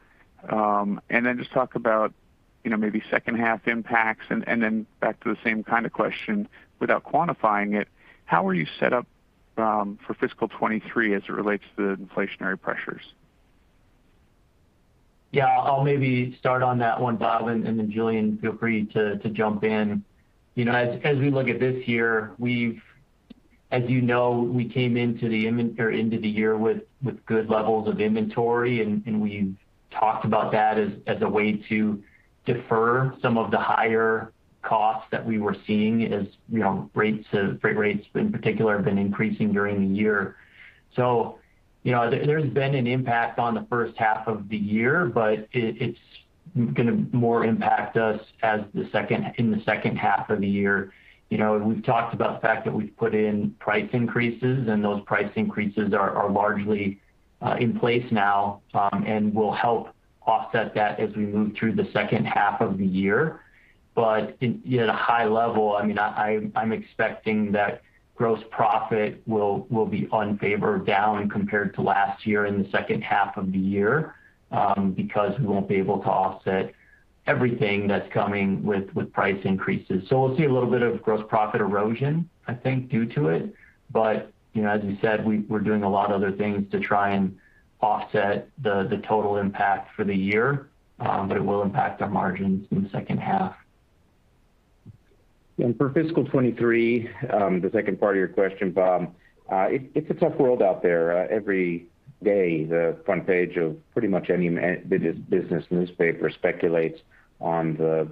Just talk about maybe second half impacts and then back to the same kind of question, without quantifying it, how are you set up for fiscal 2023 as it relates to the inflationary pressures? Yeah, I'll maybe start on that one, Bob, and then Julien, feel free to jump in. We look at this year, as you know, we came into the year with good levels of inventory, and we've talked about that as a way to defer some of the higher costs that we were seeing as freight rates in particular have been increasing during the year. There's been an impact on the first half of the year, but it's going to more impact us in the second half of the year. We've talked about the fact that we've put in price increases, those price increases are largely in place now and will help offset that as we move through the second half of the year. At a high level, I'm expecting that gross profit will be unfavor down compared to last year in the second half of the year, because we won't be able to offset everything that's coming with price increases. We'll see a little bit of gross profit erosion, I think, due to it. As you said, we're doing a lot of other things to try and offset the total impact for the year, but it will impact our margins in the second half. For fiscal 2023, the second part of your question, Bob, it's a tough world out there. Every day, the front page of pretty much any business newspaper speculates on the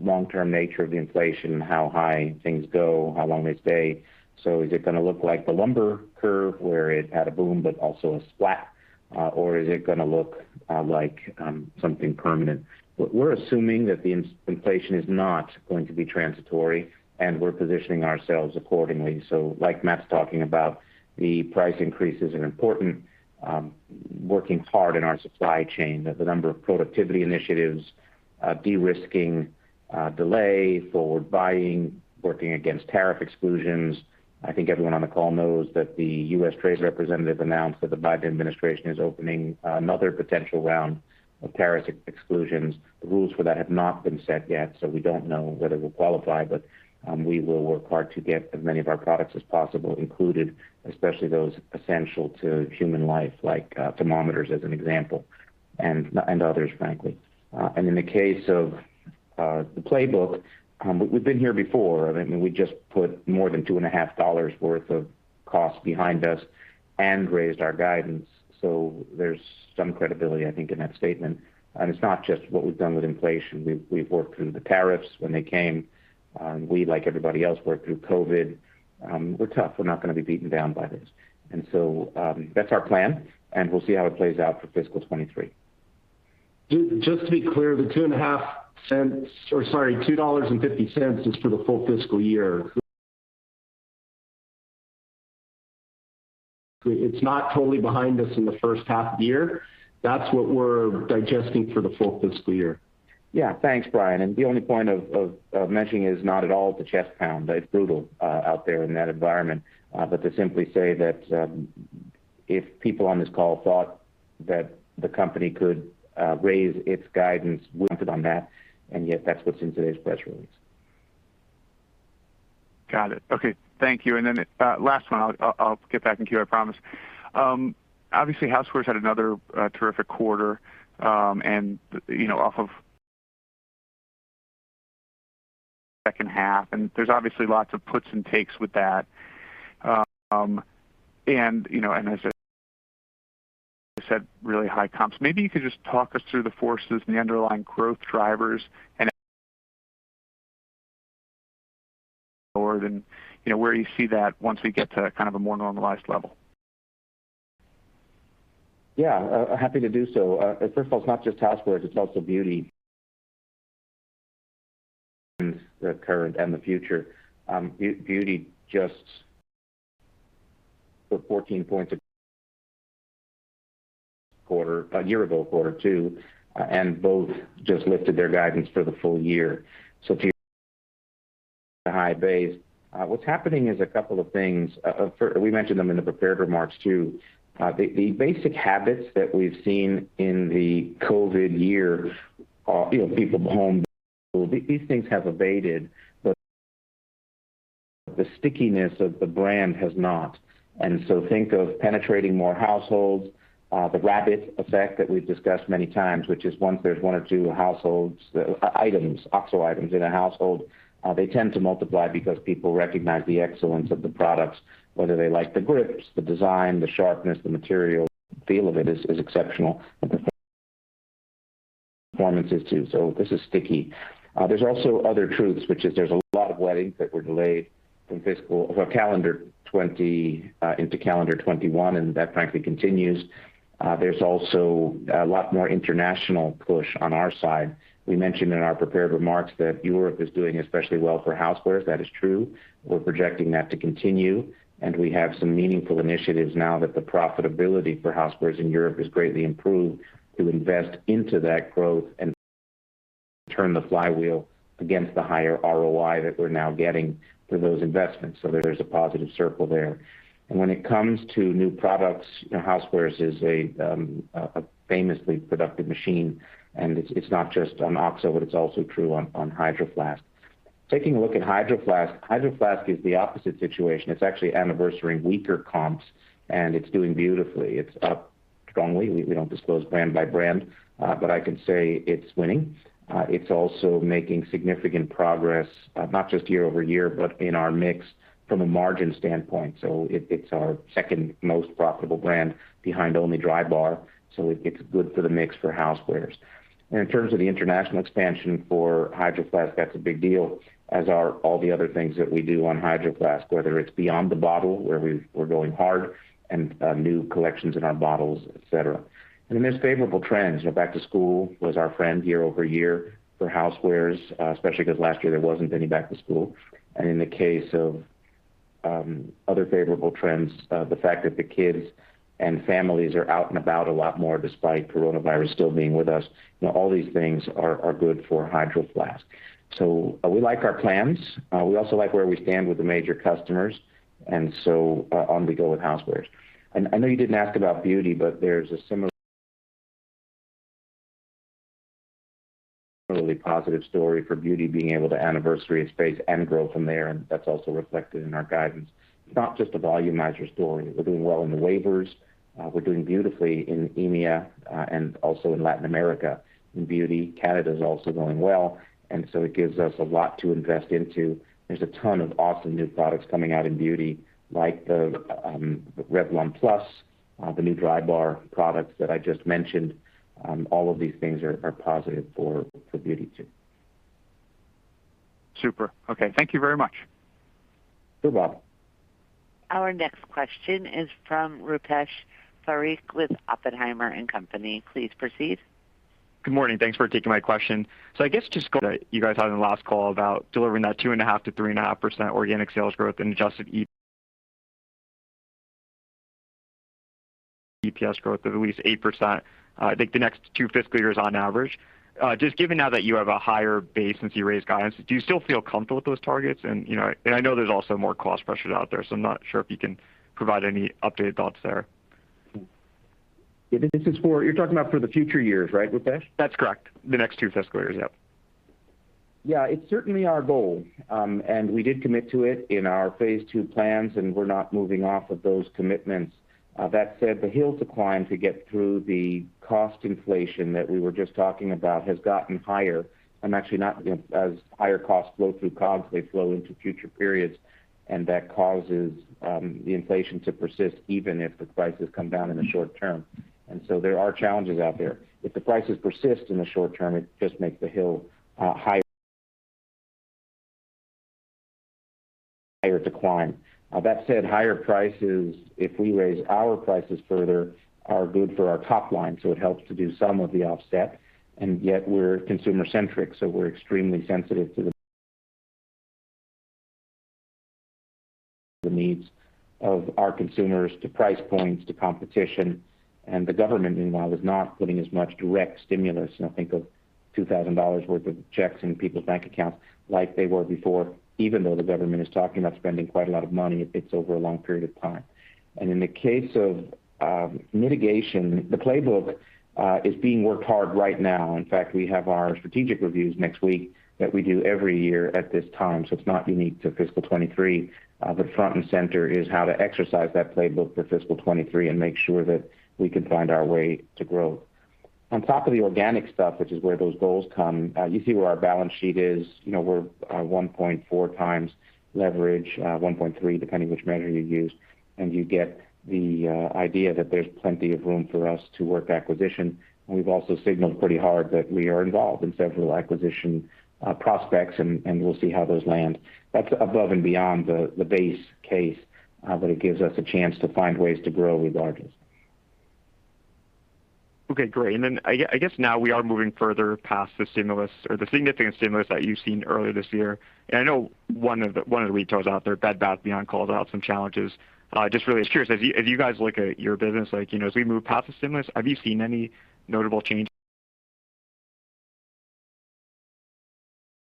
long-term nature of the inflation, how high things go, how long they stay. Is it going to look like the lumber curve, where it had a boom, but also a splat, or is it going to look like something permanent? We're assuming that the inflation is not going to be transitory, and we're positioning ourselves accordingly. Like Matt Osberg's talking about, the price increases are important, working hard in our supply chain. The number of productivity initiatives, de-risking forward buying, working against tariff exclusions. I think everyone on the call knows that the U.S. trade representative announced that the Biden administration is opening another potential round of tariff exclusions. The rules for that have not been set yet, so we don't know whether it will qualify, but we will work hard to get as many of our products as possible included, especially those essential to human life, like thermometers, as an example, and others, frankly. In the case of the playbook, we've been here before. We just put more than two and a half dollars worth of cost behind us and raised our guidance. There's some credibility, I think, in that statement. It's not just what we've done with inflation. We've worked through the tariffs when they came. We, like everybody else, worked through COVID. We're tough. We're not going to be beaten down by this. That's our plan, and we'll see how it plays out for fiscal 2023. Just to be clear, the $2.50 is for the full fiscal year. It's not totally behind us in the first half of the year. That's what we're digesting for the full fiscal year. Yeah. Thanks, Brian. The only point of mentioning it is not at all to chest pound. It's brutal out there in that environment. To simply say that if people on this call thought that the company could raise its guidance, we went on that, and yet that's what's in today's press release. Got it. Okay. Thank you. Then last one. I'll get back in queue, I promise. Obviously, housewares had another terrific quarter. Off of second half, and there's obviously lots of puts and takes with that. As I said, really high comps. Maybe you could just talk us through the forces and the underlying growth drivers and forward and where you see that once we get to kind of a more normalized level. Yeah. Happy to do so. First of all, it's not just Housewares, it's also Beauty. The current and the future. Beauty just put 14 points a quarter a year ago, quarter two, and both just lifted their guidance for the full year. If you high base, what's happening is a couple of things. We mentioned them in the prepared remarks, too. The basic habits that we've seen in the COVID year, people home, these things have abated, but the stickiness of the brand has not. Think of penetrating more households. The rabbit effect that we've discussed many times, which is once there's one or two households, OXO items in a household, they tend to multiply because people recognize the excellence of the products, whether they like the grips, the design, the sharpness, the material, feel of it is exceptional. Performance is, too. This is sticky. There's also other truths, which is there's a lot of weddings that were delayed into calendar 2021, and that frankly continues. There's also a lot more international push on our side. We mentioned in our prepared remarks that Europe is doing especially well for Housewares. That is true. We're projecting that to continue. We have some meaningful initiatives now that the profitability for Housewares in Europe has greatly improved to invest into that growth and turn the flywheel against the higher ROI that we're now getting through those investments. There is a positive circle there. When it comes to new products, Housewares is a famously productive machine, and it's not just on OXO, but it's also true on Hydro Flask. Taking a look at Hydro Flask. Hydro Flask is the opposite situation. It's actually anniversarying weaker comps, and it's doing beautifully. It's up strongly. We don't disclose brand by brand, but I can say it's winning. It's also making significant progress, not just year-over-year, but in our mix from a margin standpoint. It's our second most profitable brand behind only Drybar. It's good for the mix for Home & Outdoor. In terms of the international expansion for Hydro Flask, that's a big deal, as are all the other things that we do on Hydro Flask, whether it's beyond the bottle, where we're going hard, and new collections in our bottles, et cetera. There's favorable trends. Back to school was our friend year-over-year for Home & Outdoor, especially because last year there wasn't any back to school. In the case of other favorable trends, the fact that the kids and families are out and about a lot more, despite coronavirus still being with us, all these things are good for Hydro Flask. We like our plans. We also like where we stand with the major customers. On we go with Housewares. I know you didn't ask about Beauty, but there's a similarly positive story for Beauty being able to anniversary its base and grow from there. That's also reflected in our guidance. It's not just a volumizer story. We're doing well in the wavers. We're doing beautifully in EMEA and also in Latin America. In Beauty, Canada is also going well, it gives us a lot to invest into. There's a ton of awesome new products coming out in Beauty, like the Revlon Plus, the new Drybar products that I just mentioned. All of these things are positive for Beauty, too. Super. Okay. Thank you very much. Sure, Bob. Our next question is from Rupesh Parikh with Oppenheimer & Company. Please proceed. Good morning. Thanks for taking my question. I guess just you guys had in the last call about delivering that 2.5%-3.5% organic sales growth and adjusted EPS growth of at least 8%, I think the next two fiscal years on average. Given now that you have a higher base since you raised guidance, do you still feel comfortable with those targets? I know there's also more cost pressures out there, I'm not sure if you can provide any updated thoughts there. You're talking about for the future years, right, Rupesh? That's correct. The next two fiscal years, yep. Yeah. It's certainly our goal. We did commit to it in our phase II plans, and we're not moving off of those commitments. That said, the hill to climb to get through the cost inflation that we were just talking about has gotten higher, actually not as higher costs flow through COGS, they flow into future periods, and that causes the inflation to persist even if the prices come down in the short term. There are challenges out there. If the prices persist in the short term, it just makes the hill higher to climb. That said, higher prices, if we raise our prices further, are good for our top line, so it helps to do some of the offset. We're consumer-centric, so we're extremely sensitive to the needs of our consumers, to price points, to competition. The government, meanwhile, is not putting as much direct stimulus, think of $2,000 worth of checks in people's bank accounts, like they were before, even though the government is talking about spending quite a lot of money, it's over a long period of time. In the case of mitigation, the playbook is being worked hard right now. In fact, we have our strategic reviews next week that we do every year at this time, so it's not unique to fiscal 2023. Front and center is how to exercise that playbook for fiscal 2023 and make sure that we can find our way to growth. On top of the organic stuff, which is where those goals come, you see where our balance sheet is. We're 1.4x leverage, 1.3, depending which measure you use. You get the idea that there's plenty of room for us to work acquisition. We've also signaled pretty hard that we are involved in several acquisition prospects, and we'll see how those land. That's above and beyond the base case, but it gives us a chance to find ways to grow regardless. Okay, great. I guess now we are moving further past the stimulus or the significant stimulus that you've seen earlier this year. I know one of the retailers out there, Bed Bath & Beyond, called out some challenges. Just really curious, as you guys look at your business, as we move past the stimulus, have you seen any notable changes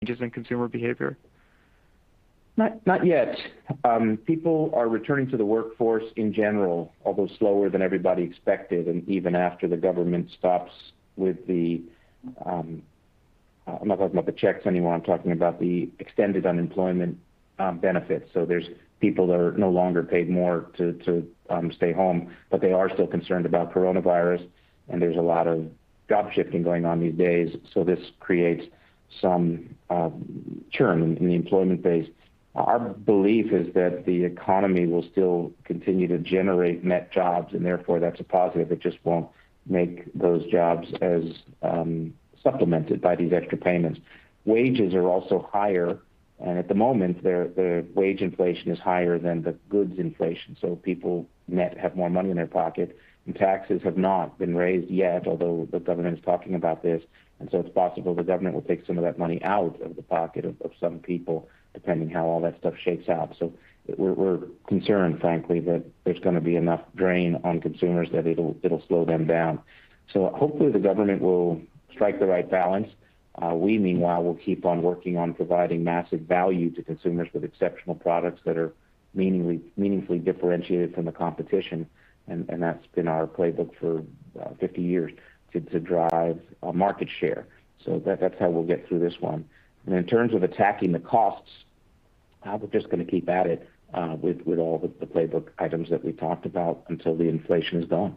in consumer behavior? Not yet. People are returning to the workforce in general, although slower than everybody expected, even after the government stops with the extended unemployment benefits. There's people that are no longer paid more to stay home. They are still concerned about coronavirus, and there's a lot of job shifting going on these days. This creates some churn in the employment base. Our belief is that the economy will still continue to generate net jobs, and therefore that's a positive. It just won't make those jobs as supplemented by these extra payments. Wages are also higher, and at the moment, the wage inflation is higher than the goods inflation. People net have more money in their pocket, and taxes have not been raised yet, although the government is talking about this. It's possible the government will take some of that money out of the pocket of some people, depending how all that stuff shakes out. We're concerned, frankly, that there's going to be enough drain on consumers that it'll slow them down. Hopefully the government will strike the right balance. We, meanwhile, will keep on working on providing massive value to consumers with exceptional products that are meaningfully differentiated from the competition. That's been our playbook for 50 years to drive market share. That's how we'll get through this one. In terms of attacking the costs, we're just going to keep at it with all the playbook items that we talked about until the inflation is gone.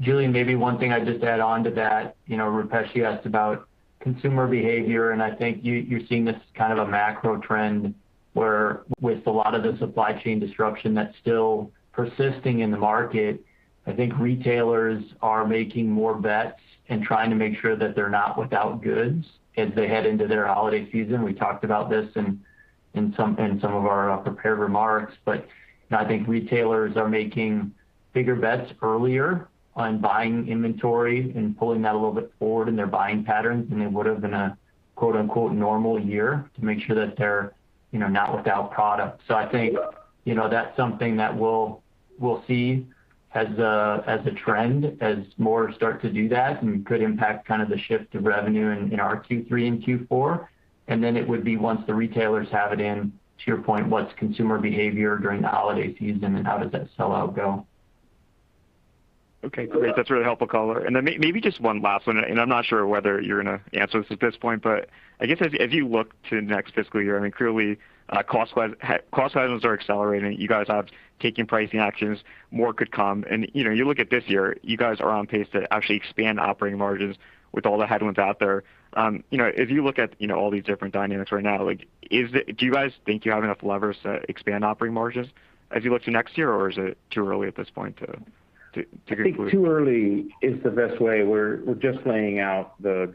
Julien, maybe one thing I'd just add on to that. Rupesh, you asked about consumer behavior, I think you're seeing this kind of a macro trend where with a lot of the supply chain disruption that's still persisting in the market, I think retailers are making more bets and trying to make sure that they're not without goods as they head into their holiday season. We talked about this in some of our prepared remarks. I think retailers are making bigger bets earlier on buying inventory and pulling that a little bit forward in their buying patterns than they would've in a quote unquote normal year to make sure that they're not without product. I think that's something that we'll see as a trend as more start to do that and could impact kind of the shift of revenue in our Q3 and Q4. It would be once the retailers have it in, to your point, what's consumer behavior during the holiday season and how does that sellout go? Okay, great. That's really helpful color. Then maybe just one last one, and I'm not sure whether you're going to answer this at this point, but I guess as you look to next fiscal year, I mean, clearly cost headwinds are accelerating. You guys have taken pricing actions. More could come. You look at this year, you guys are on pace to actually expand operating margins with all the headwinds out there. If you look at all these different dynamics right now, do you guys think you have enough levers to expand operating margins as you look to next year, or is it too early at this point to conclude? I think too early is the best way. We're just laying out the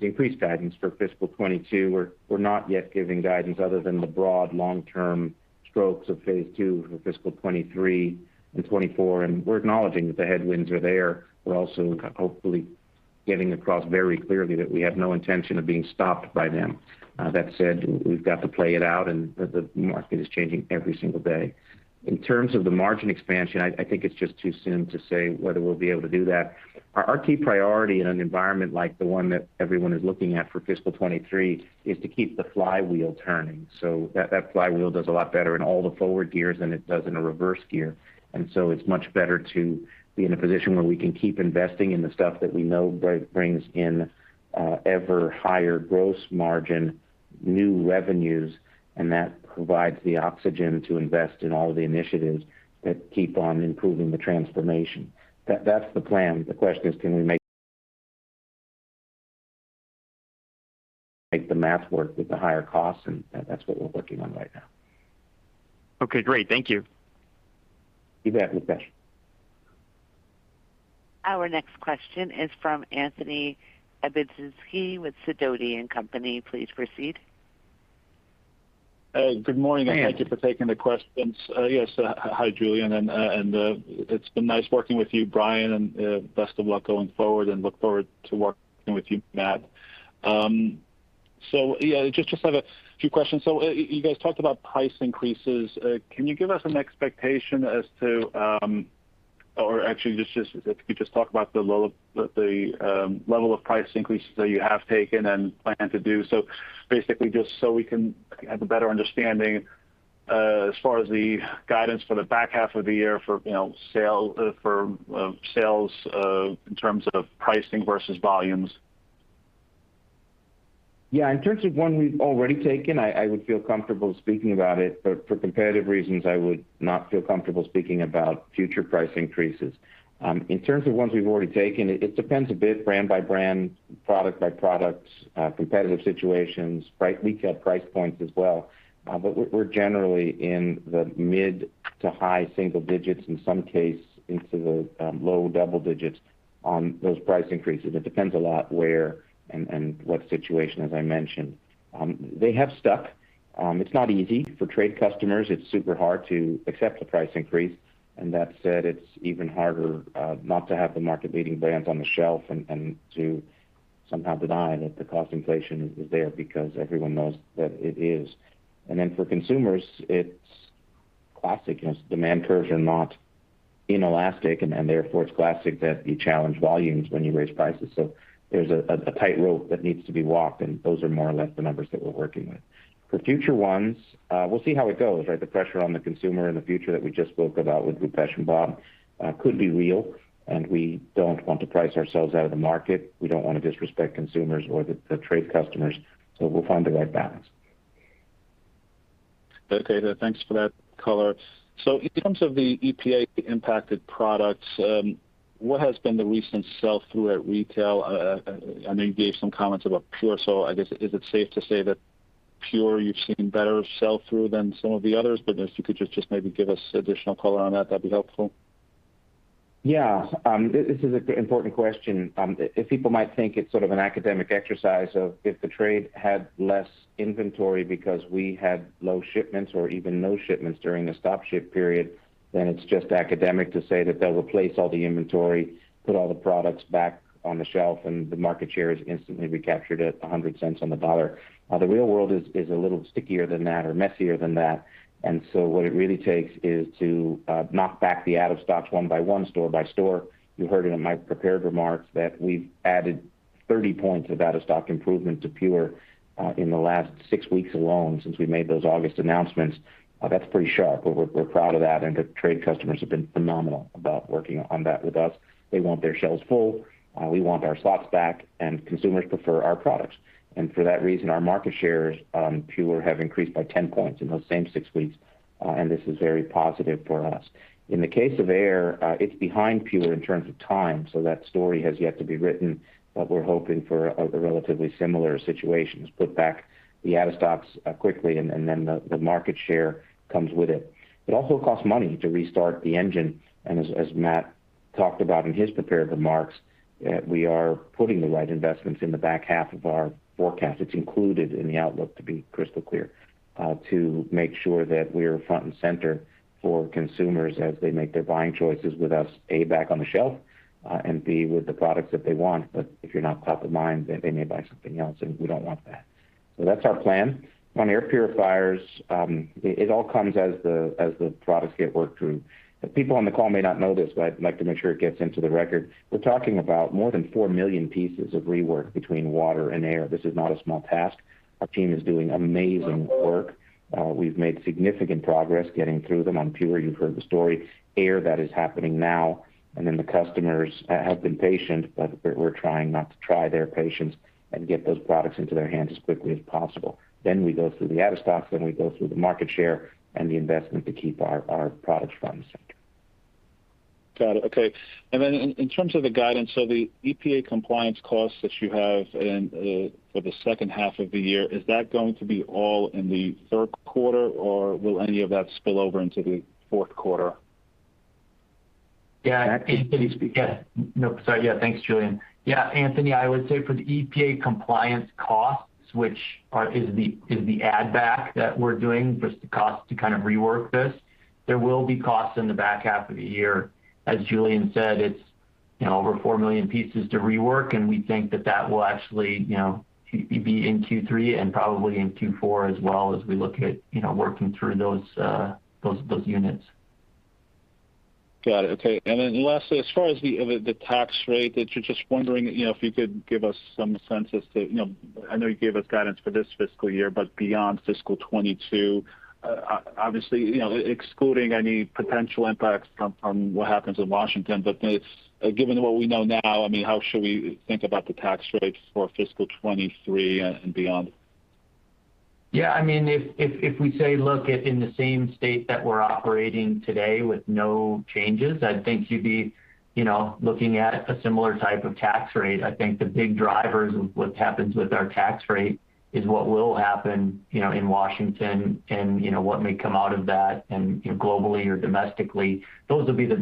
increased guidance for fiscal 2022. We're not yet giving guidance other than the broad long-term strokes of phase two for fiscal 2023 and 2024, and we're acknowledging that the headwinds are there. We're also hopefully getting across very clearly that we have no intention of being stopped by them. That said, we've got to play it out, and the market is changing every single day. In terms of the margin expansion, I think it's just too soon to say whether we'll be able to do that. Our key priority in an environment like the one that everyone is looking at for fiscal 2023 is to keep the flywheel turning. That flywheel does a lot better in all the forward gears than it does in a reverse gear. It's much better to be in a position where we can keep investing in the stuff that we know brings in ever higher gross margin, new revenues, and that provides the oxygen to invest in all of the initiatives that keep on improving the transformation. That's the plan. The question is, can we make the math work with the higher costs? That's what we're working on right now. Okay, great. Thank you. You bet, Rupesh Parikh. Our next question is from Anthony C. Lebiedzinski with Sidoti & Company. Please proceed. Hey, good morning. Hi, Anthony. Thank you for taking the questions. Yes. Hi, Julien Mininberg. It's been nice working with you, Brian Grass, and best of luck going forward. Look forward to working with you, Matt Osberg. Yeah, just have a few questions. You guys talked about price increases. Can you give us an expectation as to, or actually, if you could just talk about the level of price increases that you have taken and plan to do? Basically, just so we can have a better understanding as far as the guidance for the back half of the year for sales in terms of pricing versus volumes. Yeah. In terms of one we've already taken, I would feel comfortable speaking about it. For competitive reasons, I would not feel comfortable speaking about future price increases. In terms of ones we've already taken, it depends a bit brand by brand, product by product, competitive situations, retail price points as well. We're generally in the mid to high single digits, in some case into the low double digits on those price increases. It depends a lot where and what situation, as I mentioned. They have stuck. It's not easy. For trade customers, it's super hard to accept a price increase, and that said, it's even harder not to have the market-leading brands on the shelf and to somehow deny that the cost inflation is there, because everyone knows that it is. For consumers, it's classic as demand curves are not inelastic, and therefore it's classic that you challenge volumes when you raise prices. There's a tightrope that needs to be walked, and those are more or less the numbers that we're working with. For future ones, we'll see how it goes, right? The pressure on the consumer in the future that we just spoke about with Rupesh and Bob could be real, and we don't want to price ourselves out of the market. We don't want to disrespect consumers or the trade customers. We'll find the right balance. Okay. Thanks for that color. In terms of the EPA-impacted products, what has been the recent sell-through at retail? I know you gave some comments about PUR, I guess is it safe to say that PUR, you've seen better sell-through than some of the others? If you could just maybe give us additional color on that'd be helpful. This is an important question. If people might think it's sort of an academic exercise of if the trade had less inventory because we had low shipments or even no shipments during the stop ship period, then it's just academic to say that they'll replace all the inventory, put all the products back on the shelf, and the market share is instantly recaptured at 100 cents on the dollar. The real world is a little stickier than that or messier than that. What it really takes is to knock back the out of stocks one by one, store by store. You heard it in my prepared remarks that we've added 30 points of out of stock improvement to PUR in the last 6 weeks alone since we made those August announcements. That's pretty sharp. We're proud of that. The trade customers have been phenomenal about working on that with us. They want their shelves full. We want our stocks back, and consumers prefer our products. For that reason, our market shares on PUR have increased by 10 points in those same 6 weeks, and this is very positive for us. In the case of air, it's behind PUR in terms of time, so that story has yet to be written. We're hoping for a relatively similar situation, is put back the out of stocks quickly, and then the market share comes with it. It also costs money to restart the engine, and as Matt talked about in his prepared remarks, we are putting the right investments in the back half of our forecast. It's included in the outlook, to be crystal clear, to make sure that we're front and center for consumers as they make their buying choices with us, A, back on the shelf, and B, with the products that they want. If you're not top of mind, then they may buy something else, and we don't want that. That's our plan. On air purifiers, it all comes as the products get worked through. The people on the call may not know this, but I'd like to make sure it gets into the record. We're talking about more than 4 million pieces of rework between water and air. This is not a small task. Our team is doing amazing work. We've made significant progress getting through them. On PUR, you've heard the story. Air, that is happening now. The customers have been patient, but we're trying not to try their patience and get those products into their hands as quickly as possible. We go through the out of stocks. We go through the market share and the investment to keep our products front and center. Got it. Okay. In terms of the guidance, so the EPA compliance costs that you have for the second half of the year, is that going to be all in the third quarter, or will any of that spill over into the fourth quarter? Yeah. No, sorry. Yeah, thanks, Julien. Yeah, Anthony, I would say for the EPA compliance costs, which is the add back that we're doing, just the cost to kind of rework this, there will be costs in the back half of the year. As Julien said, it's over 4 million pieces to rework, and we think that that will actually be in Q3 and probably in Q4 as well as we look at working through those units. Got it. Okay. Then lastly, as far as the tax rate, just wondering if you could give us some sense. I know you gave us guidance for this fiscal year, but beyond fiscal 2022, obviously, excluding any potential impacts from what happens in Washington. Given what we know now, how should we think about the tax rates for fiscal 2023 and beyond? Yeah. If we, say, look at in the same state that we're operating today with no changes, I'd think you'd be looking at a similar type of tax rate. I think the big drivers of what happens with our tax rate is what will happen in Washington and what may come out of that and globally or domestically. Those will be the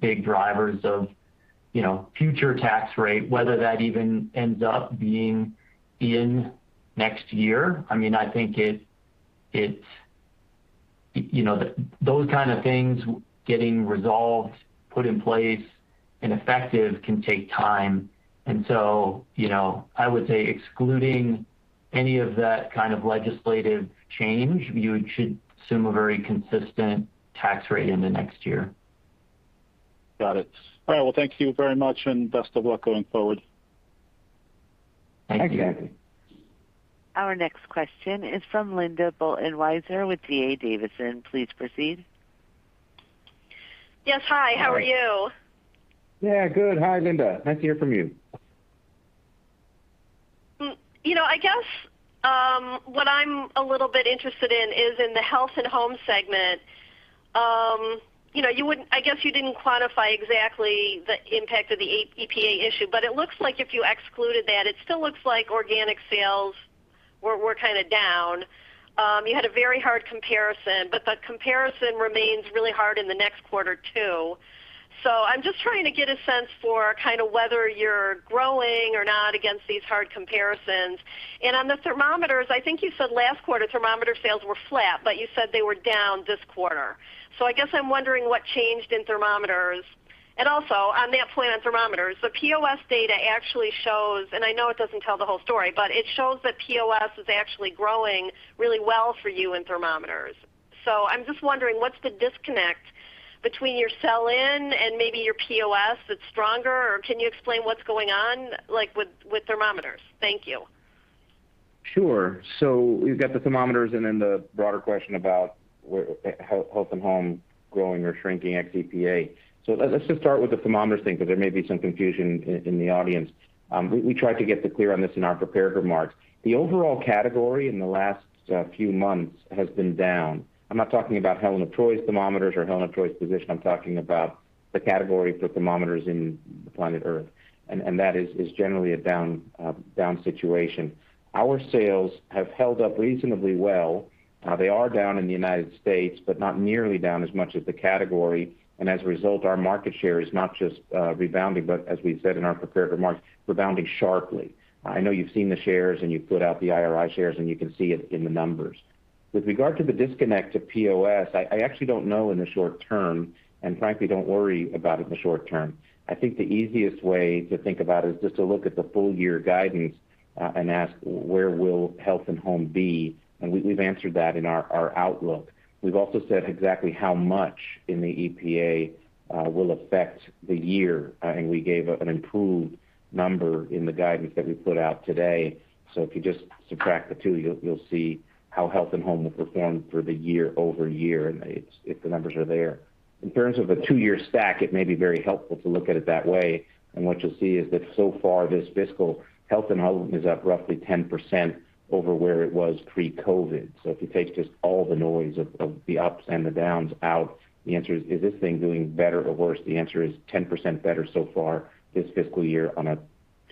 big drivers of future tax rate, whether that even ends up being in next year. I think those kind of things getting resolved, put in place, and effective can take time. I would say, excluding any of that kind of legislative change, you should assume a very consistent tax rate in the next year. Got it. All right. Well, thank you very much, and best of luck going forward. Thank you. Thank you. Our next question is from Linda Bolton Weiser with D.A. Davidson. Please proceed. Yes. Hi, how are you? Yeah, good. Hi, Linda. Nice to hear from you. I guess what I'm a little bit interested in is in the health and home segment. I guess you didn't quantify exactly the impact of the EPA issue, but it looks like if you excluded that, it still looks like organic sales were kind of down. You had a very hard comparison, but the comparison remains really hard in the next quarter, too. I'm just trying to get a sense for kind of whether you're growing or not against these hard comparisons. On the thermometers, I think you said last quarter, thermometer sales were flat, but you said they were down this quarter. I guess I'm wondering what changed in thermometers. Also, on that point on thermometers, the POS data actually shows, and I know it doesn't tell the whole story, but it shows that POS is actually growing really well for you in thermometers. I'm just wondering, what's the disconnect between your sell-in and maybe your POS that's stronger, or can you explain what's going on, like with thermometers? Thank you. Sure. We've got the thermometers and then the broader question about health and home growing or shrinking ex-EPA. Let's just start with the thermometers thing, because there may be some confusion in the audience. We tried to get clear on this in our prepared remarks. The overall category in the last few months has been down. I'm not talking about Helen of Troy's thermometers or Helen of Troy's position. I'm talking about the category for thermometers in the planet Earth, and that is generally a down situation. Our sales have held up reasonably well. They are down in the United States, but not nearly down as much as the category. As a result, our market share is not just rebounding, but as we said in our prepared remarks, rebounding sharply. I know you've seen the shares and you've put out the IRI shares, and you can see it in the numbers. With regard to the disconnect to POS, I actually don't know in the short term, and frankly, don't worry about it in the short term. I think the easiest way to think about it is just to look at the full-year guidance and ask where will Health and Home be, and we've answered that in our outlook. We've also said exactly how much in the EPA will affect the year, and we gave an improved number in the guidance that we put out today. If you just subtract the two, you'll see how Health and Home will perform for the year-over-year, and the numbers are there. In terms of a two-year stack, it may be very helpful to look at it that way, and what you'll see is that so far this fiscal, Health and Home is up roughly 10% over where it was pre-COVID. If you take just all the noise of the ups and the downs out, the answer is this thing doing better or worse? The answer is 10% better so far this fiscal year on a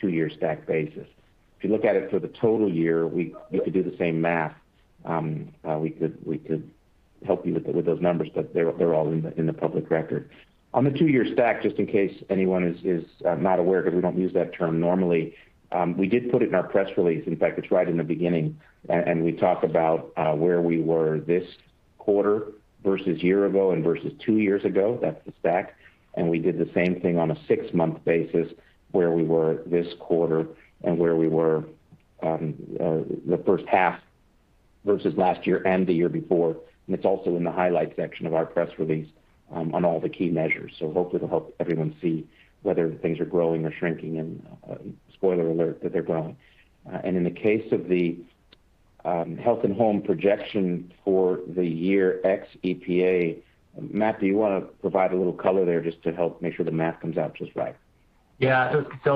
two-year stack basis. If you look at it for the total year, we could do the same math. We could help you with those numbers, but they're all in the public record. On the two-year stack, just in case anyone is not aware, because we don't use that term normally. We did put it in our press release. In fact, it's right in the beginning. We talk about where we were this quarter versus a year ago and versus 2 years ago. That's the stack. We did the same thing on a 6-month basis where we were this quarter and where we were the first half versus last year and the year before. It's also in the highlight section of our press release on all the key measures. Hopefully, it'll help everyone see whether things are growing or shrinking and, spoiler alert, that they're growing. In the case of the Health and Home projection for the year ex EPA, Matt, do you want to provide a little color there just to help make sure the math comes out just right? I just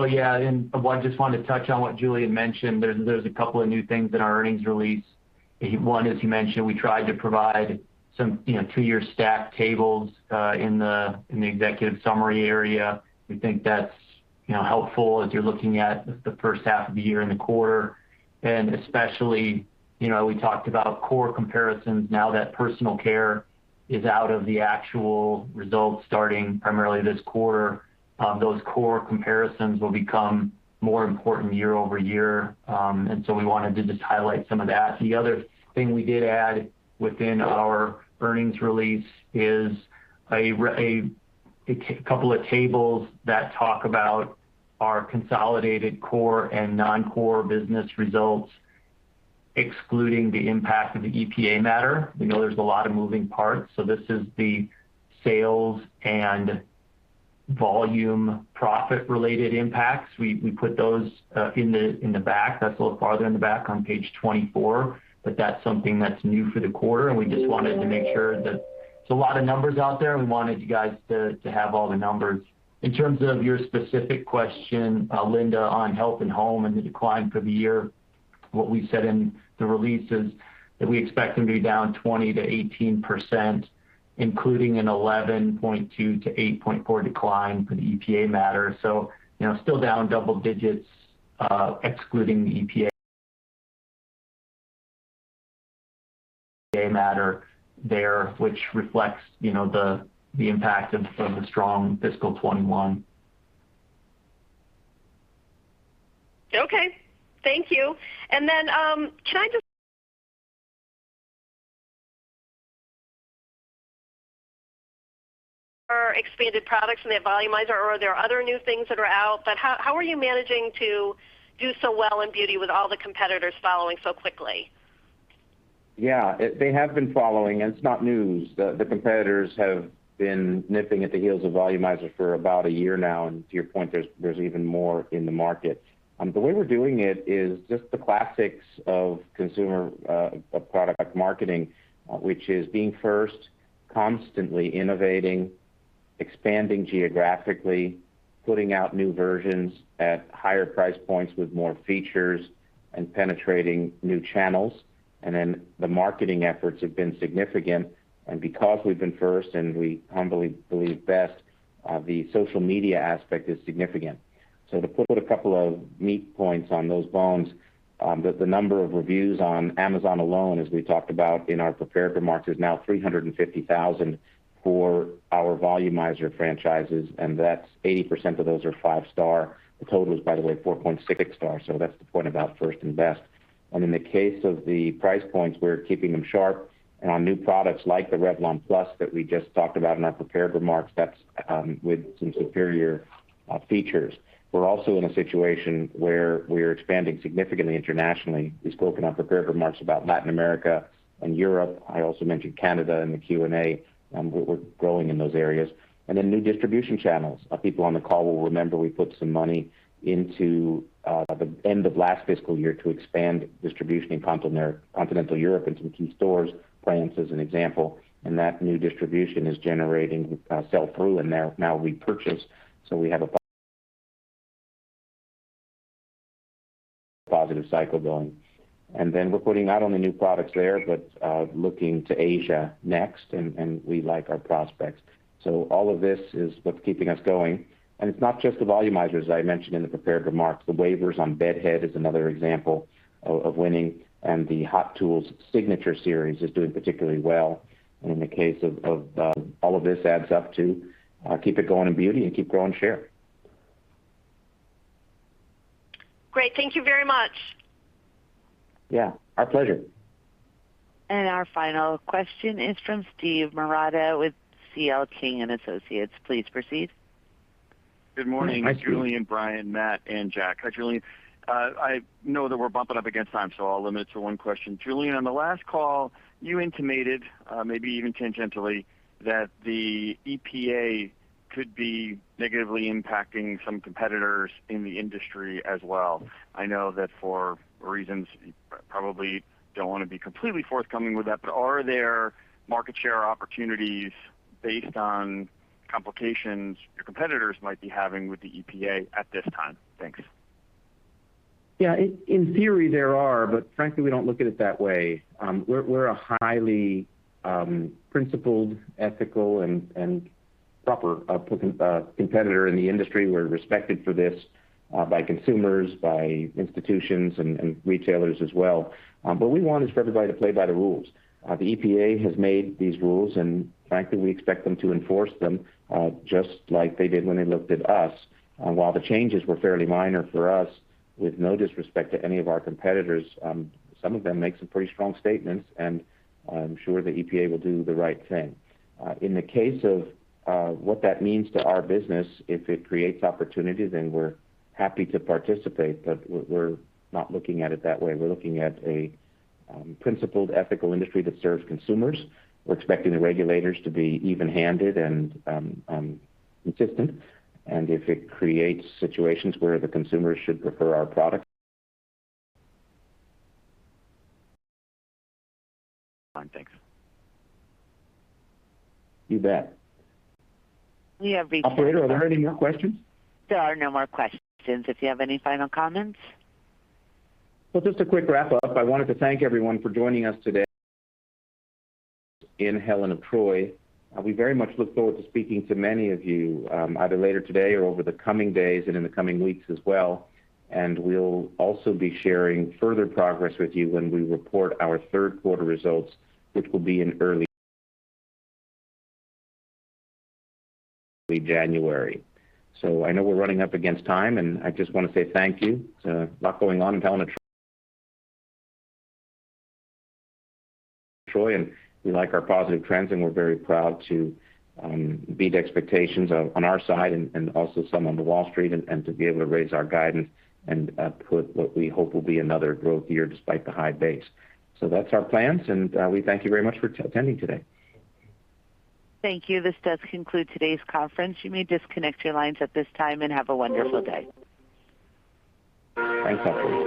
wanted to touch on what Julien Mininberg mentioned. There's a couple of new things in our earnings release. One, as he mentioned, we tried to provide some two-year stack tables in the executive summary area. We think that's helpful as you're looking at the first half of the year and the quarter. Especially, we talked about core comparisons now that personal care is out of the actual results starting primarily this quarter. Those core comparisons will become more important year-over-year. We wanted to just highlight some of that. The other thing we did add within our earnings release is a re- A couple of tables that talk about our consolidated core and non-core business results, excluding the impact of the EPA matter. We know there's a lot of moving parts, so this is the sales and volume profit-related impacts. We put those in the back. That's a little farther in the back on page 24. That's something that's new for the quarter, and we just wanted to make sure. There's a lot of numbers out there. We wanted you guys to have all the numbers. In terms of your specific question, Linda, on Home & Outdoor and the decline for the year, what we said in the release is that we expect them to be down 20%-18%, including an 11.2%-8.4% decline for the EPA matter. Still down double digits, excluding the EPA matter there, which reflects the impact of the strong fiscal 2021. Okay. Thank you. Are there expanded products in the Volumizer or are there other new things that are out? How are you managing to do so well in beauty with all the competitors following so quickly? Yeah. They have been following. It's not news. The competitors have been nipping at the heels of Volumizer for about one year now. To your point, there's even more in the market. The way we're doing it is just the classics of consumer product marketing, which is being first, constantly innovating, expanding geographically, putting out new versions at higher price points with more features, and penetrating new channels. The marketing efforts have been significant. Because we've been first and we humbly believe best, the social media aspect is significant. To put a couple of meat points on those bones, the number of reviews on Amazon alone, as we talked about in our prepared remarks, is now 350,000 for our Volumizer franchises. 80% of those are 5-star. The total is, by the way, 4.6-star. That's the point about first and best. In the case of the price points, we're keeping them sharp. On new products like the Revlon Plus that we just talked about in our prepared remarks, that's with some superior features. We're also in a situation where we're expanding significantly internationally. We spoke in our prepared remarks about Latin America and Europe. I also mentioned Canada in the Q&A. We're growing in those areas. New distribution channels. People on the call will remember we put some money into the end of last fiscal year to expand distribution in continental Europe into key stores, France as an example. That new distribution is generating sell-through and now repurchase. We have a positive cycle going. We're putting not only new products there, but looking to Asia next, and we like our prospects. All of this is what's keeping us going. It's not just the Volumizers, as I mentioned in the prepared remarks. The wavers on Bed Head is another example of winning, and the Hot Tools Signature Series is doing particularly well. In the case of all of this adds up to keep it going in beauty and keep growing share. Great. Thank you very much. Yeah. Our pleasure. Our final question is from Steven L. Marotta with C.L. King & Associates. Please proceed. Good morning. Hi, Steve. Julien Mininberg, Brian Grass, Matt Osberg, and Jack Jancin. Hi, Julien Mininberg. I know that we're bumping up against time, I'll limit it to one question. Julien Mininberg, on the last call, you intimated, maybe even tangentially, that the EPA could be negatively impacting some competitors in the industry as well. I know that for reasons you probably don't want to be completely forthcoming with that, are there market share opportunities based on complications your competitors might be having with the EPA at this time? Thanks. Yeah. In theory, there are, but frankly, we don't look at it that way. We're a highly principled, ethical, and proper competitor in the industry. We're respected for this by consumers, by institutions, and retailers as well. What we want is for everybody to play by the rules. The EPA has made these rules, and frankly, we expect them to enforce them, just like they did when they looked at us. While the changes were fairly minor for us, with no disrespect to any of our competitors, some of them make some pretty strong statements, and I'm sure the EPA will do the right thing. In the case of what that means to our business, if it creates opportunities, then we're happy to participate, but we're not looking at it that way. We're looking at a principled, ethical industry that serves consumers. We're expecting the regulators to be even-handed and consistent, and if it creates situations where the consumer should prefer our product. Thanks. You bet. We have reached the end of our. Operator, are there any more questions? There are no more questions. If you have any final comments? Well, just a quick wrap-up. I wanted to thank everyone for joining us today in Helen of Troy. We very much look forward to speaking to many of you, either later today or over the coming days and in the coming weeks as well. We'll also be sharing further progress with you when we report our third quarter results, which will be in early January. I know we're running up against time, and I just want to say thank you. There's a lot going on in Helen of Troy, and we like our positive trends, and we're very proud to beat expectations on our side and also some on the Wall Street and to be able to raise our guidance and put what we hope will be another growth year despite the high base. That's our plans, and we thank you very much for attending today. Thank you. This does conclude today's conference. You may disconnect your lines at this time, and have a wonderful day. Thanks, everyone.